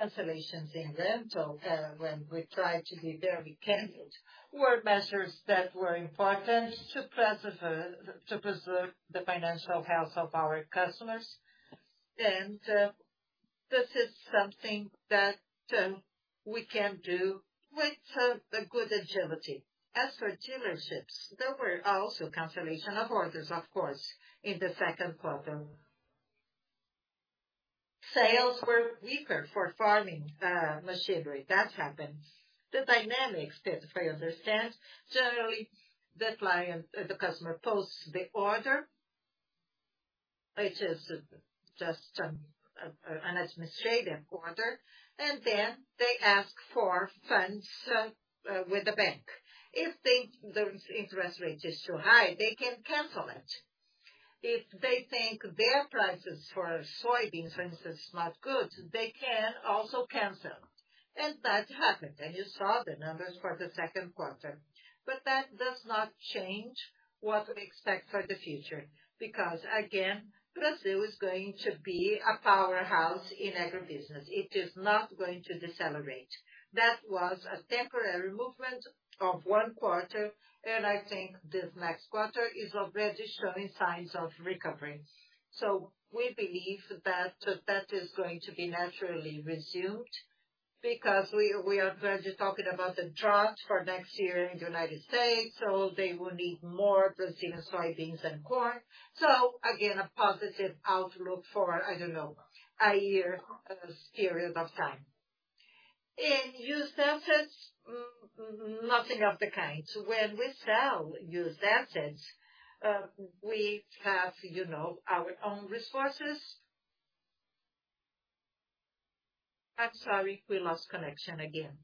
Cancellations in rental, when we try to be very candid, were measures that were important to preserve, to preserve the financial health of our customers. This is something that we can do with a good agility. As for dealerships, there were also cancellation of orders, of course, in the second quarter. Sales were weaker for farming machinery. That happened. The dynamics that I understand, generally, the client, the customer posts the order. It is just an administrative order, and then they ask for funds with the bank. If the interest rate is too high, they can cancel it. If they think their prices for soybeans, for instance, is not good, they can also cancel. That happened, and you saw the numbers for the 2nd quarter. That does not change what we expect for the future, because again, Brazil is going to be a powerhouse in agribusiness. It is not going to decelerate. That was a temporary movement of 1 quarter, and I think this next quarter is already showing signs of recovery. We believe that, that is going to be naturally resumed because we, we are already talking about the drought for next year in the United States, so they will need more Brazilian soybeans and corn. Again, a positive outlook for, I don't know, a year period of time. In used assets, nothing of the kind. When we sell used assets, we have, you know, our own resources... I'm sorry, we lost connection again.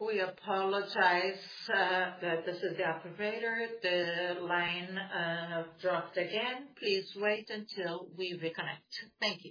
We apologize that this is the operator. The line dropped again. Please wait until we reconnect. Thank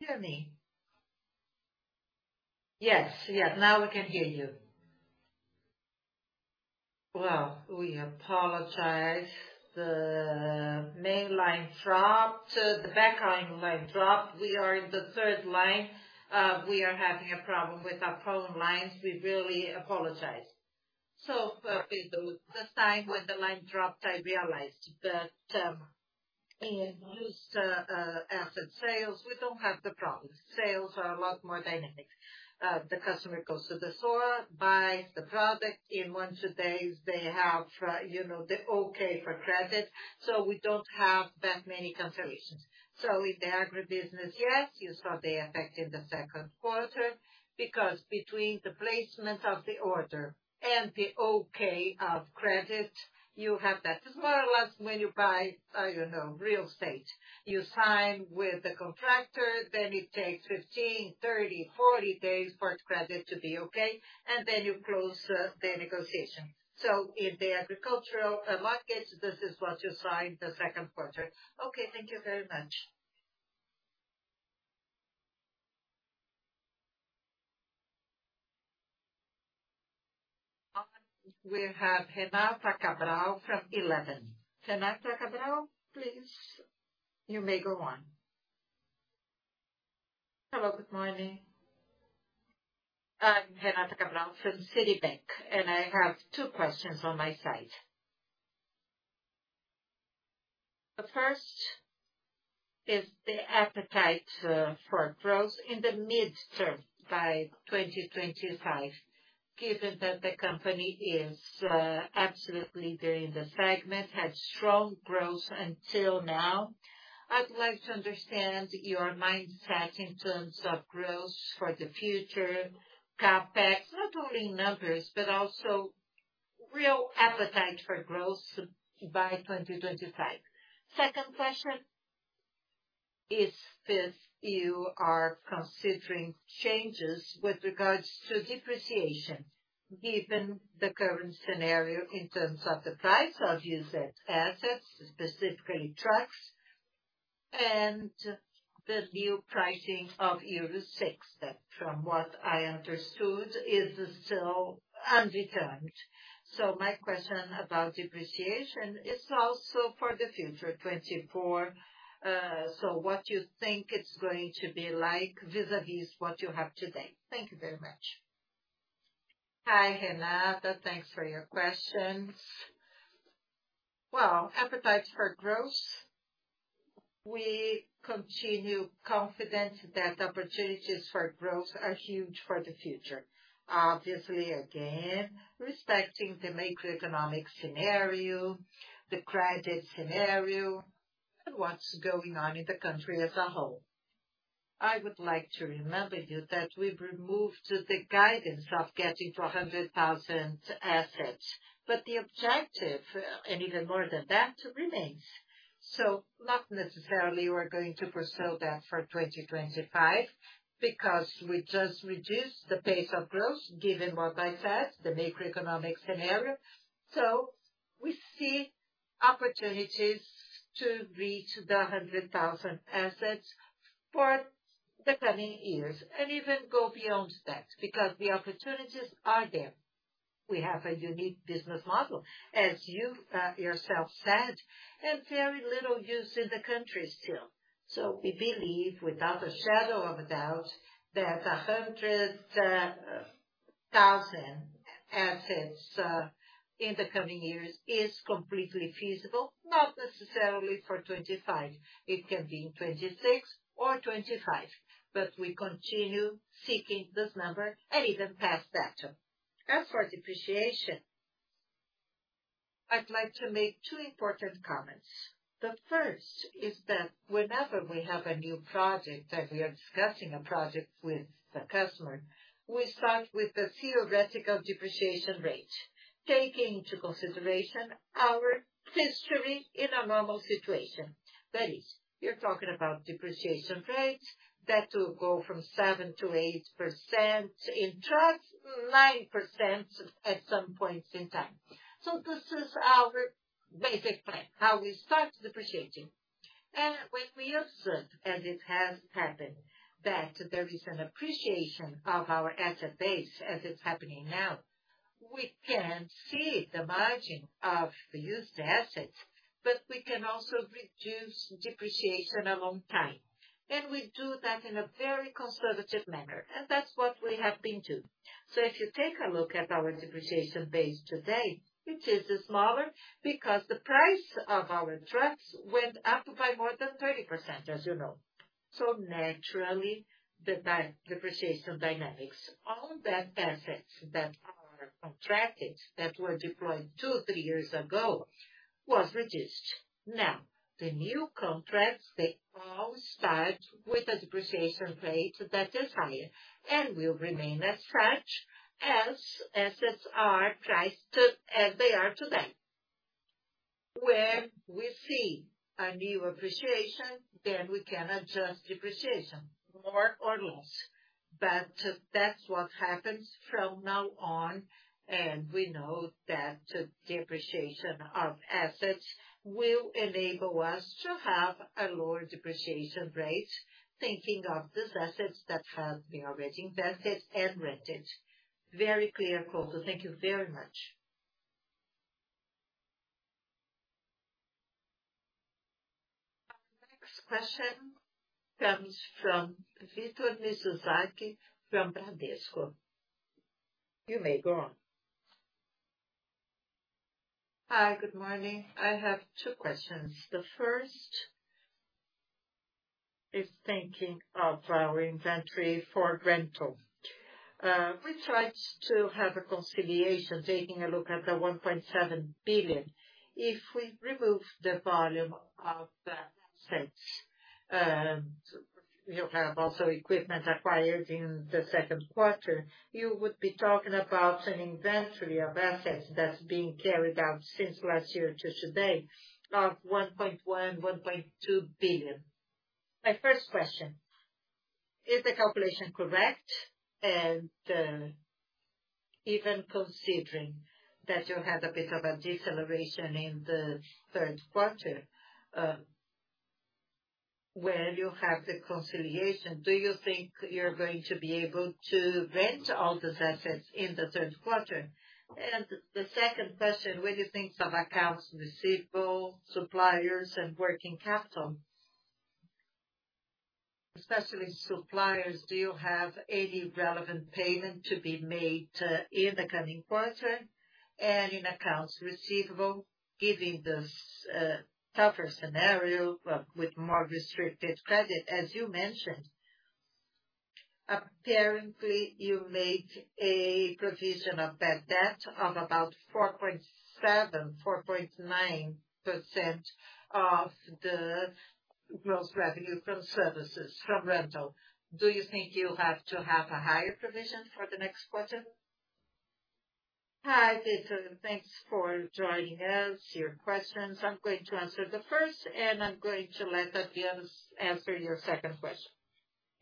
you. Hear me? Yes, yes, now we can hear you. Well, we apologize. The main line dropped. The back line dropped. We are in the third line. We are having a problem with our phone lines. We really apologize. This time when the line dropped, I realized that in used asset sales, we don't have the problem. Sales are a lot more dynamic. The customer goes to the store, buys the product. In one, two days, they have, you know, the okay for credit, so we don't have that many cancellations. In the agribusiness, yes, you saw the effect in the second quarter, because between the placement of the order and the okay of credit, you have that. It's more or less when you buy, you know, real estate. You sign with the contractor, then it takes 15, 30, 40 days for the credit to be okay, and then you close, the negotiation. In the agricultural, market, this is what you saw in the second quarter. Okay, thank you very much. We have Renata Cabral from Eleven. Renata Cabral, please, you may go on. Hello, good morning. I'm Renata Cabral from Citibank, and I have two questions on my side. The first is the appetite for growth in the midterm by 2025, given that the company is absolutely there in the segment, had strong growth until now. I'd like to understand your mindset in terms of growth for the future, CapEx, not only in numbers, but also real appetite for growth by 2025. Second question is, if you are considering changes with regards to depreciation, given the current scenario in terms of the price of used assets, specifically trucks, and the new pricing of Euro VI, that from what I understood, is still undetermined. My question about depreciation is also for the future, 2024. What you think it's going to be like vis-a-vis what you have today? Thank you very much. Hi, Renata. Thanks for your questions. Well, appetite for growth. We continue confident that opportunities for growth are huge for the future. Obviously, again, respecting the macroeconomic scenario, the credit scenario, and what's going on in the country as a whole. I would like to remind you that we've removed the guidance of getting to 100,000 assets. The objective, and even more than that, remains. Not necessarily we're going to pursue that for 2025, because we just reduced the pace of growth, given what I said, the macroeconomic scenario. We see opportunities to reach the 100,000 assets for the coming years and even go beyond that, because the opportunities are there. We have a unique business model, as you yourself said, and very little use in the country still. We believe, without a shadow of a doubt, that 100,000 assets in the coming years is completely feasible, not necessarily for 2025. It can be in 26 or 25, we continue seeking this number and even past that. As for depreciation, I'd like to make two important comments. The first is that whenever we have a new project, and we are discussing a project with the customer, we start with the theoretical depreciation rate, taking into consideration our history in a normal situation. That is, you're talking about depreciation rates that will go from 7%-8% in trucks, 9% at some points in time. This is our basic plan, how we start depreciating. When we observe, and it has happened, that there is an appreciation of our asset base, as it's happening now, we can see the margin of the used assets, but we can also reduce depreciation along time. We do that in a very conservative manner, and that's what we have been doing. If you take a look at our depreciation base today, it is smaller because the price of our trucks went up by more than 30%, as you know. Naturally, the depreciation dynamics, all that assets that are contracted, that were deployed 2, 3 years ago, was reduced. Now, the new contracts, they all start with a depreciation rate that is higher and will remain as such, as assets are priced as they are today. When we see a new appreciation, then we can adjust depreciation more or less, but that's what happens from now on, and we know that depreciation of assets will enable us to have a lower depreciation rate, thinking of these assets that have been already invested and rented. Very clear, Couto. Thank you very much. Our next question comes from Victor Mizusaki from Bradesco. You may go on. Hi, good morning. I have two questions. The first is thinking of our inventory for rental. We tried to have a conciliation, taking a look at the 1.7 billion. If we remove the volume of the assets, you have also equipment acquired in the second quarter, you would be talking about an inventory of assets that's being carried out since last year to today of 1.1 billion-1.2 billion. My first question: Is the calculation correct? Even considering that you had a bit of a deceleration in the third quarter, where you have the conciliation, do you think you're going to be able to rent all these assets in the third quarter? The second question, when you think of accounts receivable, suppliers, and working capital-... Especially suppliers, do you have any relevant payment to be made in the coming quarter and in accounts receivable, giving this tougher scenario, but with more restricted credit, as you mentioned? Apparently, you make a provision of bad debt on about 4.7%, 4.9% of the gross revenue from services, from rental. Do you think you have to have a higher provision for the next quarter? Hi, Gator. Thanks for joining us, your questions. I'm going to answer the first, and I'm going to let Adriano answer your second question.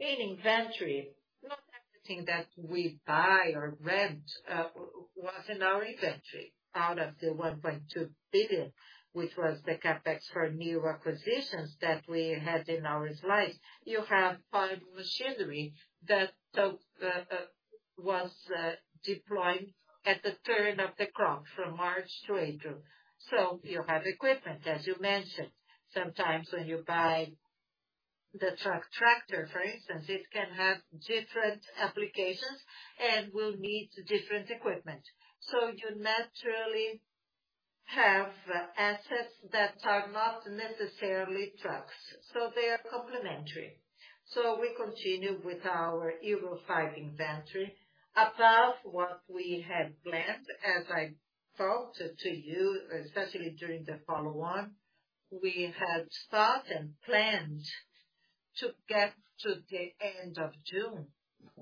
In inventory, not everything that we buy or rent was in our inventory. Out of the 1.2 billion, which was the CapEx for new acquisitions that we had in our slide, you have five machinery that was deployed at the turn of the crop from March to April. You have equipment, as you mentioned. Sometimes when you buy the truck tractor, for instance, it can have different applications and will need different equipment. You naturally have assets that are not necessarily trucks, so they are complementary. We continue with our Euro V inventory above what we had planned. As I talked to you, especially during the follow on, we had started and planned to get to the end of June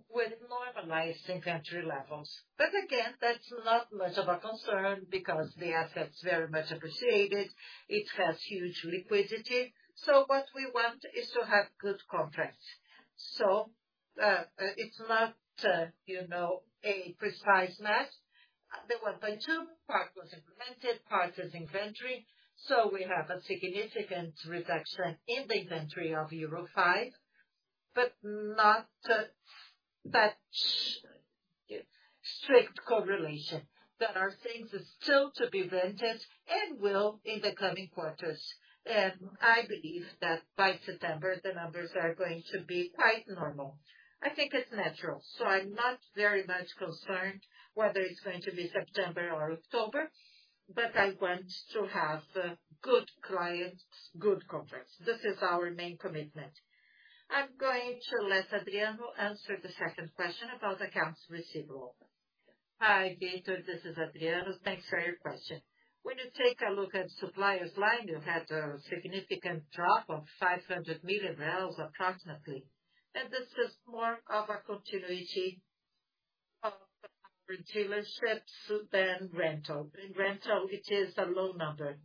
with normalized inventory levels. Again, that's not much of a concern because the asset's very much appreciated. It has huge liquidity. What we want is to have good contracts. It's not, you know, a precise match. The 1.2 part was implemented, part is inventory. We have a significant reduction in the inventory of Euro V, but not that strict correlation. There are things that still to be rented and will in the coming quarters, and I believe that by September, the numbers are going to be quite normal. I think it's natural, so I'm not very much concerned whether it's going to be September or October, but I want to have good clients, good conference. This is our main commitment. I'm going to let Adriano answer the second question about accounts receivable. Hi, Gator, this is Adriano. Thanks for your question. When you take a look at suppliers line, you had a significant drop of 500 million, approximately. This is more of a continuity of our dealerships than rental. In rental, it is a low number.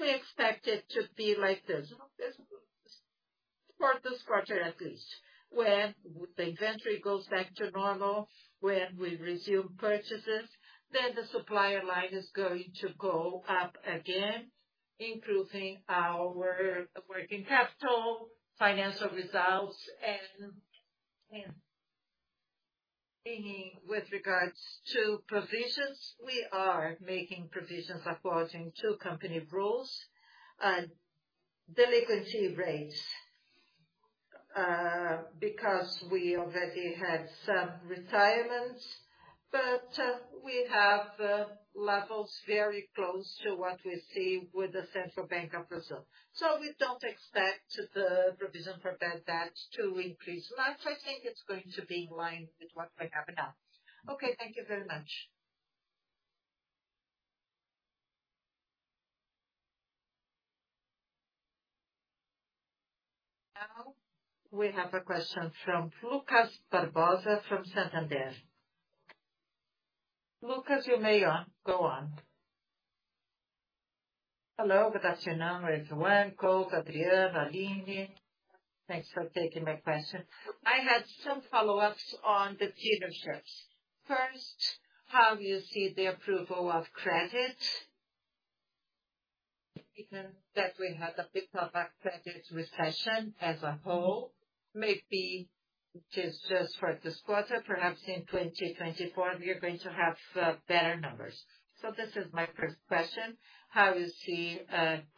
We expect it to be like this, for this quarter at least, when the inventory goes back to normal, when we resume purchases, the supplier line is going to go up again, improving our working capital, financial results. With regards to provisions, we are making provisions according to company rules and delinquency rates, because we already had some retirements, we have levels very close to what we see with the Central Bank of Brazil. We don't expect the provision for bad debt to increase much. I think it's going to be in line with what we have now. Okay, thank you very much. We have a question from Lucas Barbosa, from Santander. Lucas, you may go on. Hello, good afternoon, Ruan, Couto, Adriano, Aline. Thanks for taking my question. I had some follow-ups on the dealerships. First, how do you see the approval of credit? Given that we had a bit of a credit recession as a whole, maybe just, just for this quarter. Perhaps in 2024, we are going to have better numbers. This is my first question: How you see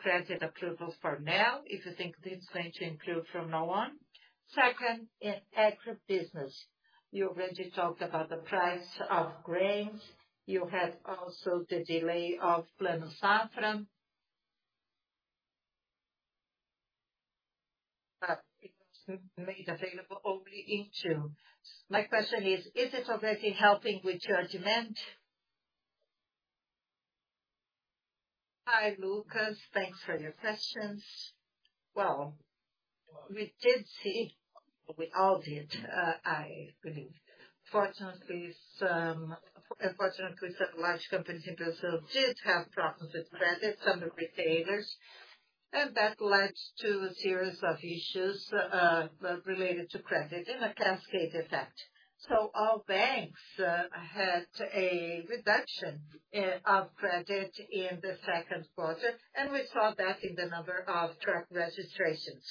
credit approvals for now, if you think this is going to improve from now on? Second, in ag business, you already talked about the price of grains. You had also the delay of Plano Safra. It was made available only in June. My question is: Is it already helping with your demand? Hi, Lucas. Thanks for your questions. Well, we did see... We all did, I believe. Fortunately, some unfortunately, some large companies in Brazil did have problems with credit, some retailers, and that led to a series of issues related to credit in a cascade effect. All banks had a reduction of credit in the second quarter, and we saw that in the number of truck registrations,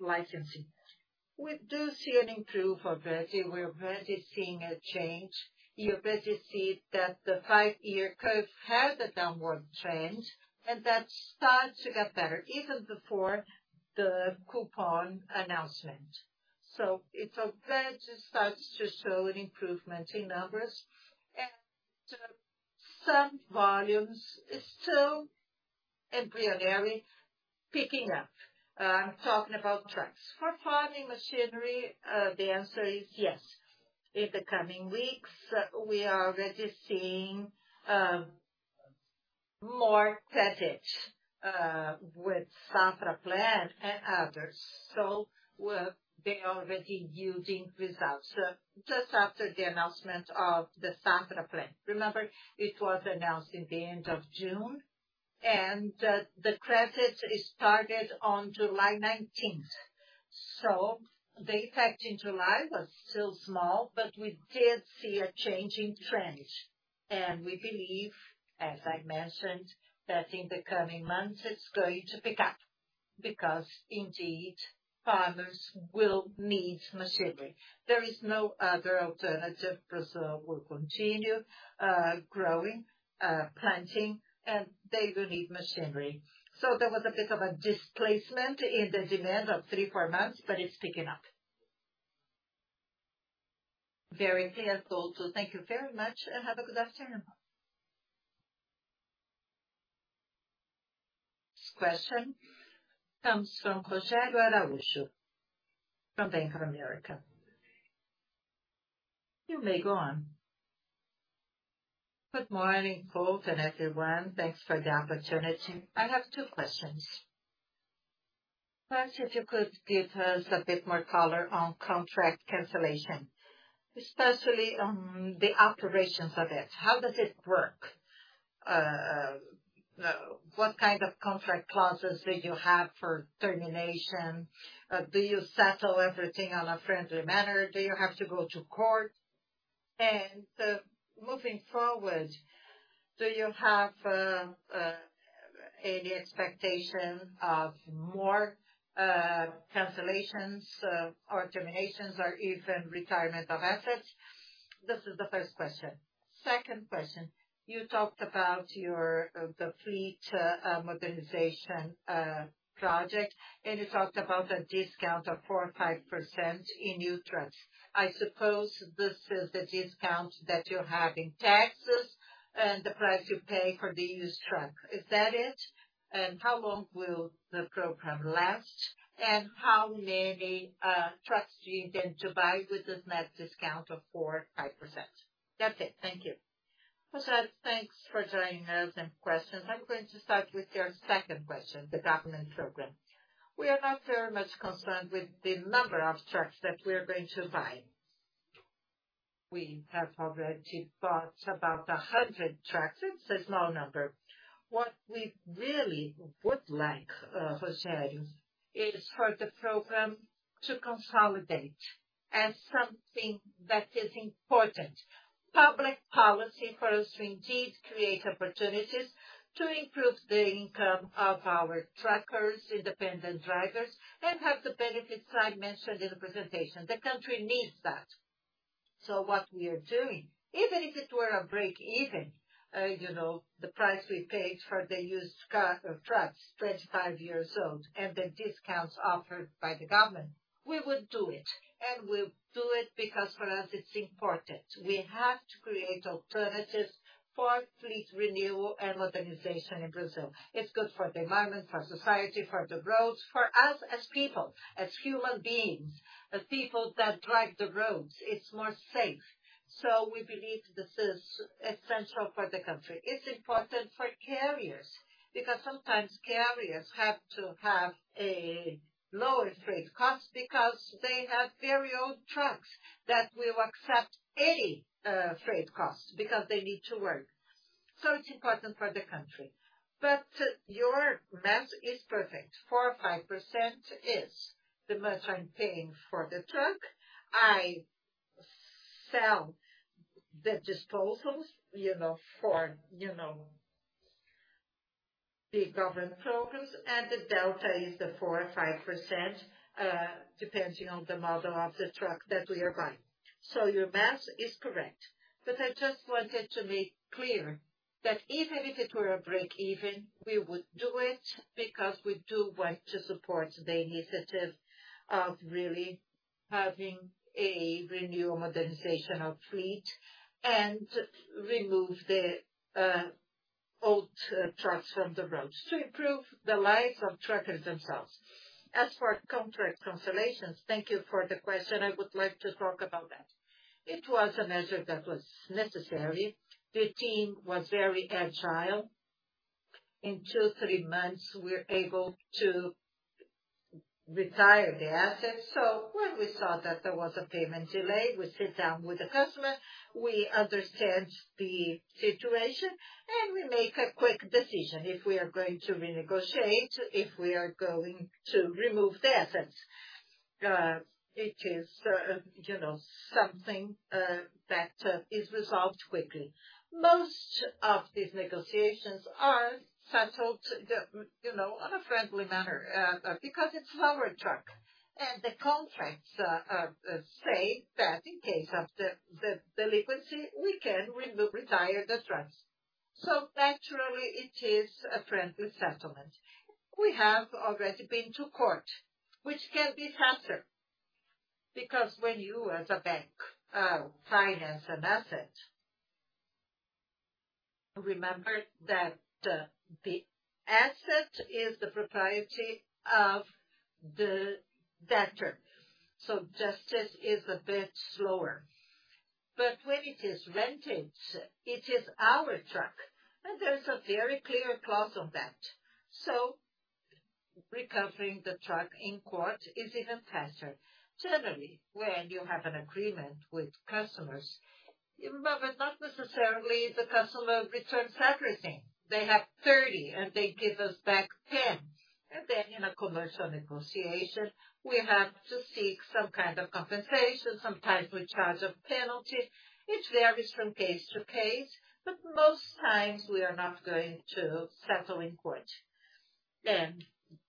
licensing. We do see an improvement already. We're already seeing a change. You already see that the 5-year curve had a downward trend, and that starts to get better even before the coupon announcement. It's a glad to start to show an improvement in numbers, and some volumes is still embryonic picking up. Talking about trucks. For farming machinery, the answer is yes. In the coming weeks, we are already seeing more credit with Safra plan and others. They're already yielding results. Just after the announcement of the Safra Plan, remember, it was announced in the end of June, and the credit started on July 19th. The effect in July was still small, but we did see a change in trends, and we believe, as I mentioned, that in the coming months, it's going to pick up, because indeed, farmers will need machinery. There is no other alternative, because we'll continue growing planting, and they will need machinery. There was a bit of a displacement in the demand of 3, 4 months, but it's picking up. Very clear, also. Thank you very much, and have a good afternoon. Next question comes from Rogerio Araujo from Bank of America. You may go on. Good morning, all and everyone. Thanks for the opportunity. I have 2 questions. First, if you could give us a bit more color on contract cancellation, especially on the operations of it, how does it work? What kind of contract clauses do you have for termination? Do you settle everything on a friendly manner? Do you have to go to court? Moving forward, do you have any expectation of more cancellations or terminations or even retirement of assets? This is the first question. Second question, you talked about your the fleet modernization project, and you talked about a discount of 4% or 5% in new trucks. I suppose this is the discount that you have in taxes and the price you pay for the used truck. Is that it? How long will the program last, and how many trucks do you intend to buy with this net discount of 4%-5%? That's it. Thank you. Rogerio, thanks for joining us and questions. I'm going to start with your second question, the government program. We are not very much concerned with the number of trucks that we are going to buy. We have already bought about 100 trucks. It's a small number. What we really would like, Rogerio, is for the program to consolidate as something that is important. Public policy for us to indeed create opportunities to improve the income of our truckers, independent drivers, and have the benefits I mentioned in the presentation. The country needs that. What we are doing, even if it were a break-even, you know, the price we paid for the used car or trucks, 25 years old, and the discounts offered by the government, we would do it, and we'll do it because for us, it's important. We have to create alternatives for fleet renewal and modernization in Brazil. It's good for the environment, for society, for the roads, for us as people, as human beings, as people that drive the roads, it's more safe. We believe this is essential for the country. It's important for carriers, because sometimes carriers have to have a lower freight cost because they have very old trucks that will accept any freight cost because they need to work. It's important for the country. Your math is perfect. 4% or 5% is the most I'm paying for the truck. I sell the disposals, you know, for, you know, the government programs, and the delta is the 4% or 5%, depending on the model of the truck that we are buying. So your math is correct, but I just wanted to make clear that even if it were a break even, we would do it because we do want to support the initiative of really having a renewal, modernization of fleet and remove the old trucks from the roads to improve the lives of truckers themselves. As for contract cancellations, thank you for the question. I would like to talk about that. It was a measure that was necessary. The team was very agile. In two, three months, we're able to retire the assets. When we saw that there was a payment delay, we sit down with the customer, we understand the situation, and we make a quick decision if we are going to renegotiate, if we are going to remove the assets. It is, you know, something that is resolved quickly. Most of these negotiations are settled, you know, on a friendly manner, because it's our truck, and the contracts say that in case of the delinquency, we can retire the trucks. Naturally, it is a friendly settlement. We have already been to court, which can be faster, because when you as a bank, finance an asset, remember that the asset is the propriety of the debtor, so justice is a bit slower. When it is rented, it is our truck, and there's a very clear clause on that. Recovering the truck in court is even faster. Generally, when you have an agreement with customers, remember, not necessarily the customer returns everything. They have 30, and they give us back 10. In a commercial negotiation, we have to seek some kind of compensation. Sometimes we charge a penalty. It varies from case to case, but most times we are not going to settle in court.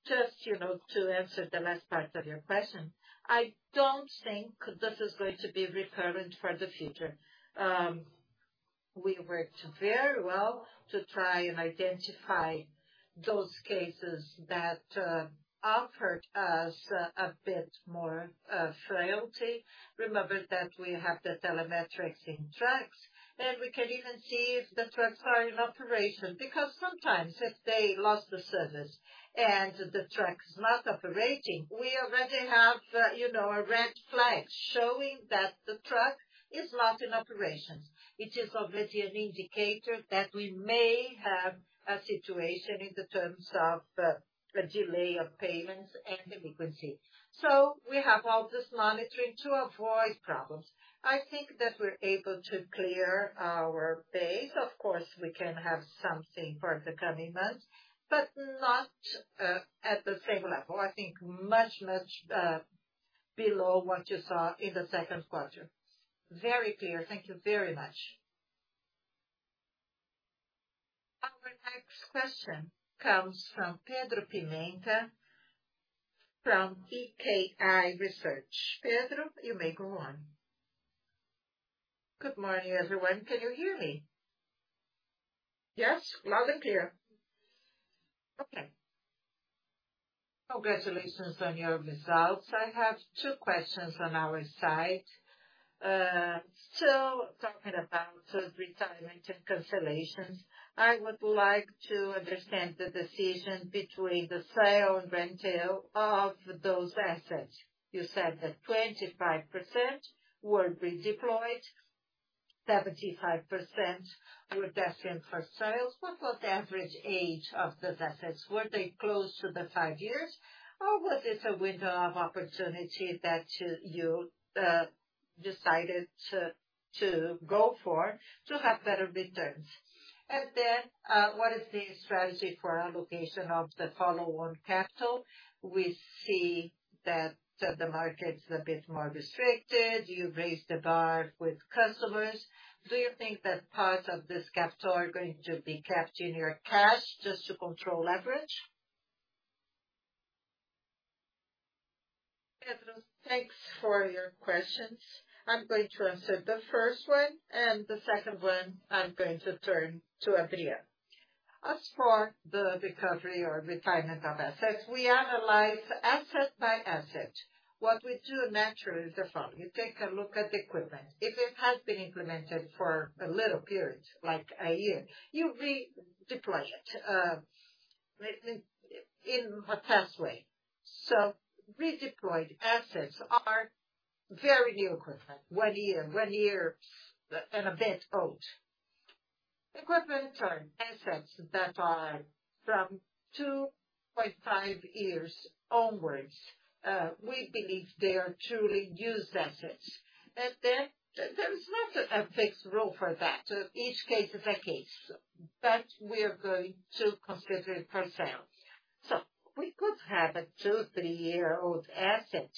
Just, you know, to answer the last part of your question, I don't think this is going to be recurrent for the future. We worked very well to try and identify those cases that offered us a bit more frailty. Remember that we have the telematics in trucks, and we can even see if the trucks are in operation, because sometimes if they lost the service and the truck is not operating, we already have, you know, a red flag showing that the truck is not in operations. It is already an indicator that we may have a situation in the terms of a delay of payments and delinquency. We have all this monitoring to avoid problems. I think that we're able to clear our base. Of course, we can have something for the coming months, but not at the same level. I think much, much below what you saw in the second quarter. Very clear. Thank you very much. Our next question comes from Pedro Pimenta from EKI Research. Pedro, you may go on. Good morning, everyone. Can you hear me? Yes, loud and clear. Okay. Congratulations on your results. I have 2 questions on our side. Talking about retirement and cancellations, I would like to understand the decision between the sale and rental of those assets. You said that 25% were redeployed, 75% were destined for sales. What was the average age of those assets? Were they close to the 5 years, or was this a window of opportunity that you decided to go for, to have better returns? What is the strategy for allocation of the follow-on capital? We see that the market's a bit more restricted. You've raised the bar with customers. Do you think that parts of this capital are going to be kept in your cash just to control leverage? Pedro, thanks for your questions. I'm going to answer the first one, and the second one, I'm going to turn to Adriano. As for the recovery or retirement of assets, we analyze asset by asset. What we do naturally is the following: You take a look at the equipment. If it has been implemented for a little period, like a year, you redeploy it in the best way. Redeployed assets are very new equipment, one year, one year and a bit old. Equipment or assets that are from 2.5 years onwards, we believe they are truly used assets. Then there is not a fixed rule for that. Each case is a case, but we are going to consider it for sale. We could have a 2, 3-year-old asset,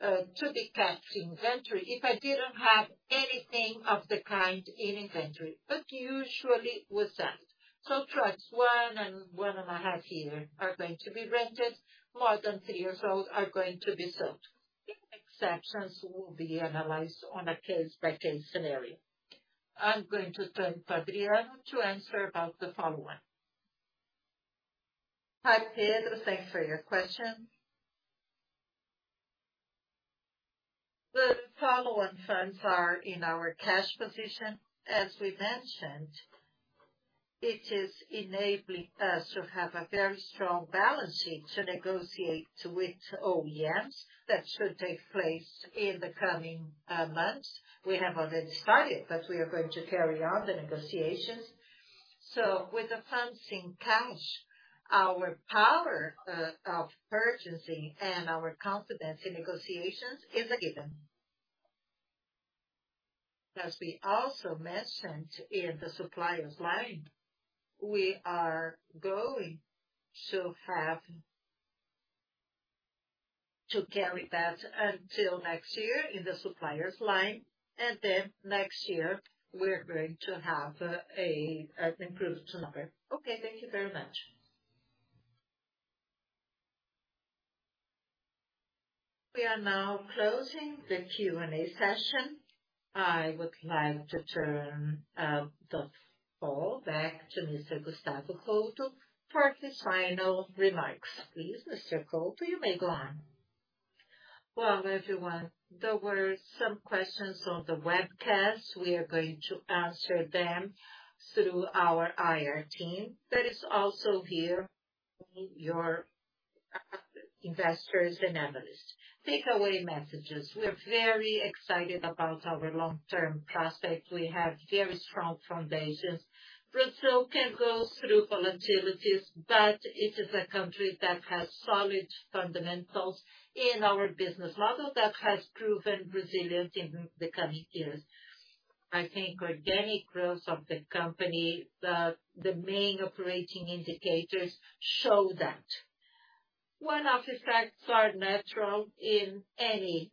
to be kept in inventory if I didn't have anything of the kind in inventory, but usually with that. Trucks 1 and 1.5 years are going to be rented, more than 3 years old are going to be sold. Exceptions will be analyzed on a case-by-case scenario. I'm going to turn to Adriano to answer about the follow-on. Hi, Pedro. Thanks for your question. The follow-on funds are in our cash position. As we mentioned, it is enabling us to have a very strong balance sheet to negotiate with OEMs. That should take place in the coming months. We have already started, but we are going to carry on the negotiations. With the funds in cash, our power of urgency and our confidence in negotiations is a given. As we also mentioned in the suppliers line, we are going to have to carry that until next year in the suppliers line, then next year, we're going to have a, an improved number. Okay, thank you very much.... We are now closing the Q&A session. I would like to turn the call back to Mr. Gustavo Couto for his final remarks. Please, Mr. Couto, you may go on. Well, everyone, there were some questions on the webcast. We are going to answer them through our IR team that is also here, your investors and analysts. Takeaway messages: We are very excited about our long-term prospects. We have very strong foundations. Brazil can go through volatilities, but it is a country that has solid fundamentals in our business model that has proven resilient in the coming years. I think organic growth of the company, the, the main operating indicators show that. Well, artifacts are natural in any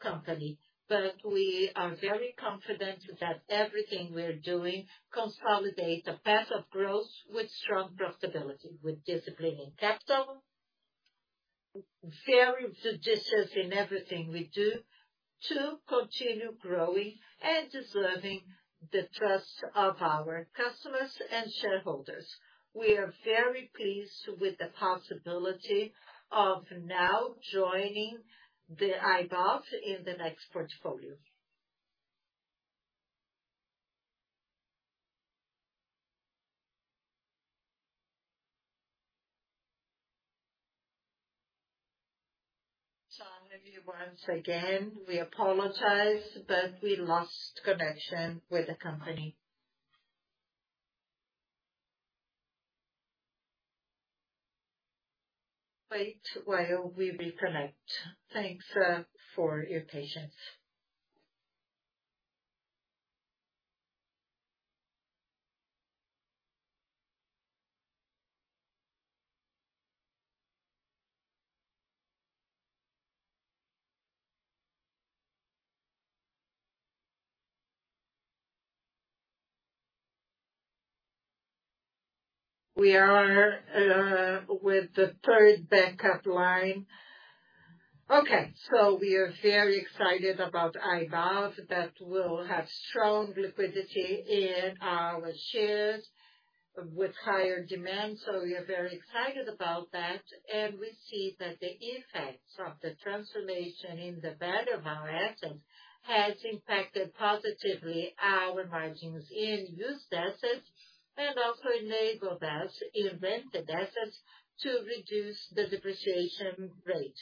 company, but we are very confident that everything we're doing consolidates a path of growth with strong profitability, with discipline in capital, very judicious in everything we do to continue growing and deserving the trust of our customers and shareholders. We are very pleased with the possibility of now joining the IBOV in the next portfolio. Once again, we apologize, but we lost connection with the company. Wait while we reconnect. Thanks for your patience. We are with the third backup line. Okay, we are very excited about IBOV, that will have strong liquidity in our shares with higher demand. We are very excited about that, and we see that the effects of the transformation in the value of our assets has impacted positively our margins in used assets, and also enabled us in rented assets to reduce the depreciation rate.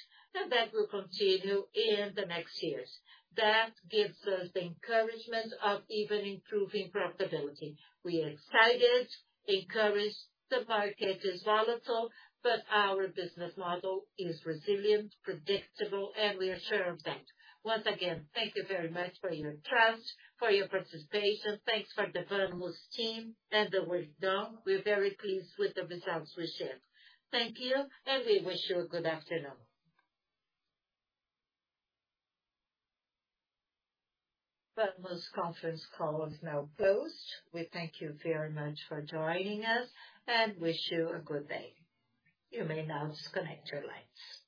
That will continue in the next years. That gives us the encouragement of even improving profitability. We are excited, encouraged. The market is volatile, our business model is resilient, predictable, and we are sure of that. Once again, thank you very much for your trust, for your participation. Thanks for the BMB team and the work done. We're very pleased with the results we shared. Thank you, and we wish you a good afternoon. BMB conference call is now closed. We thank you very much for joining us and wish you a good day. You may now disconnect your lines.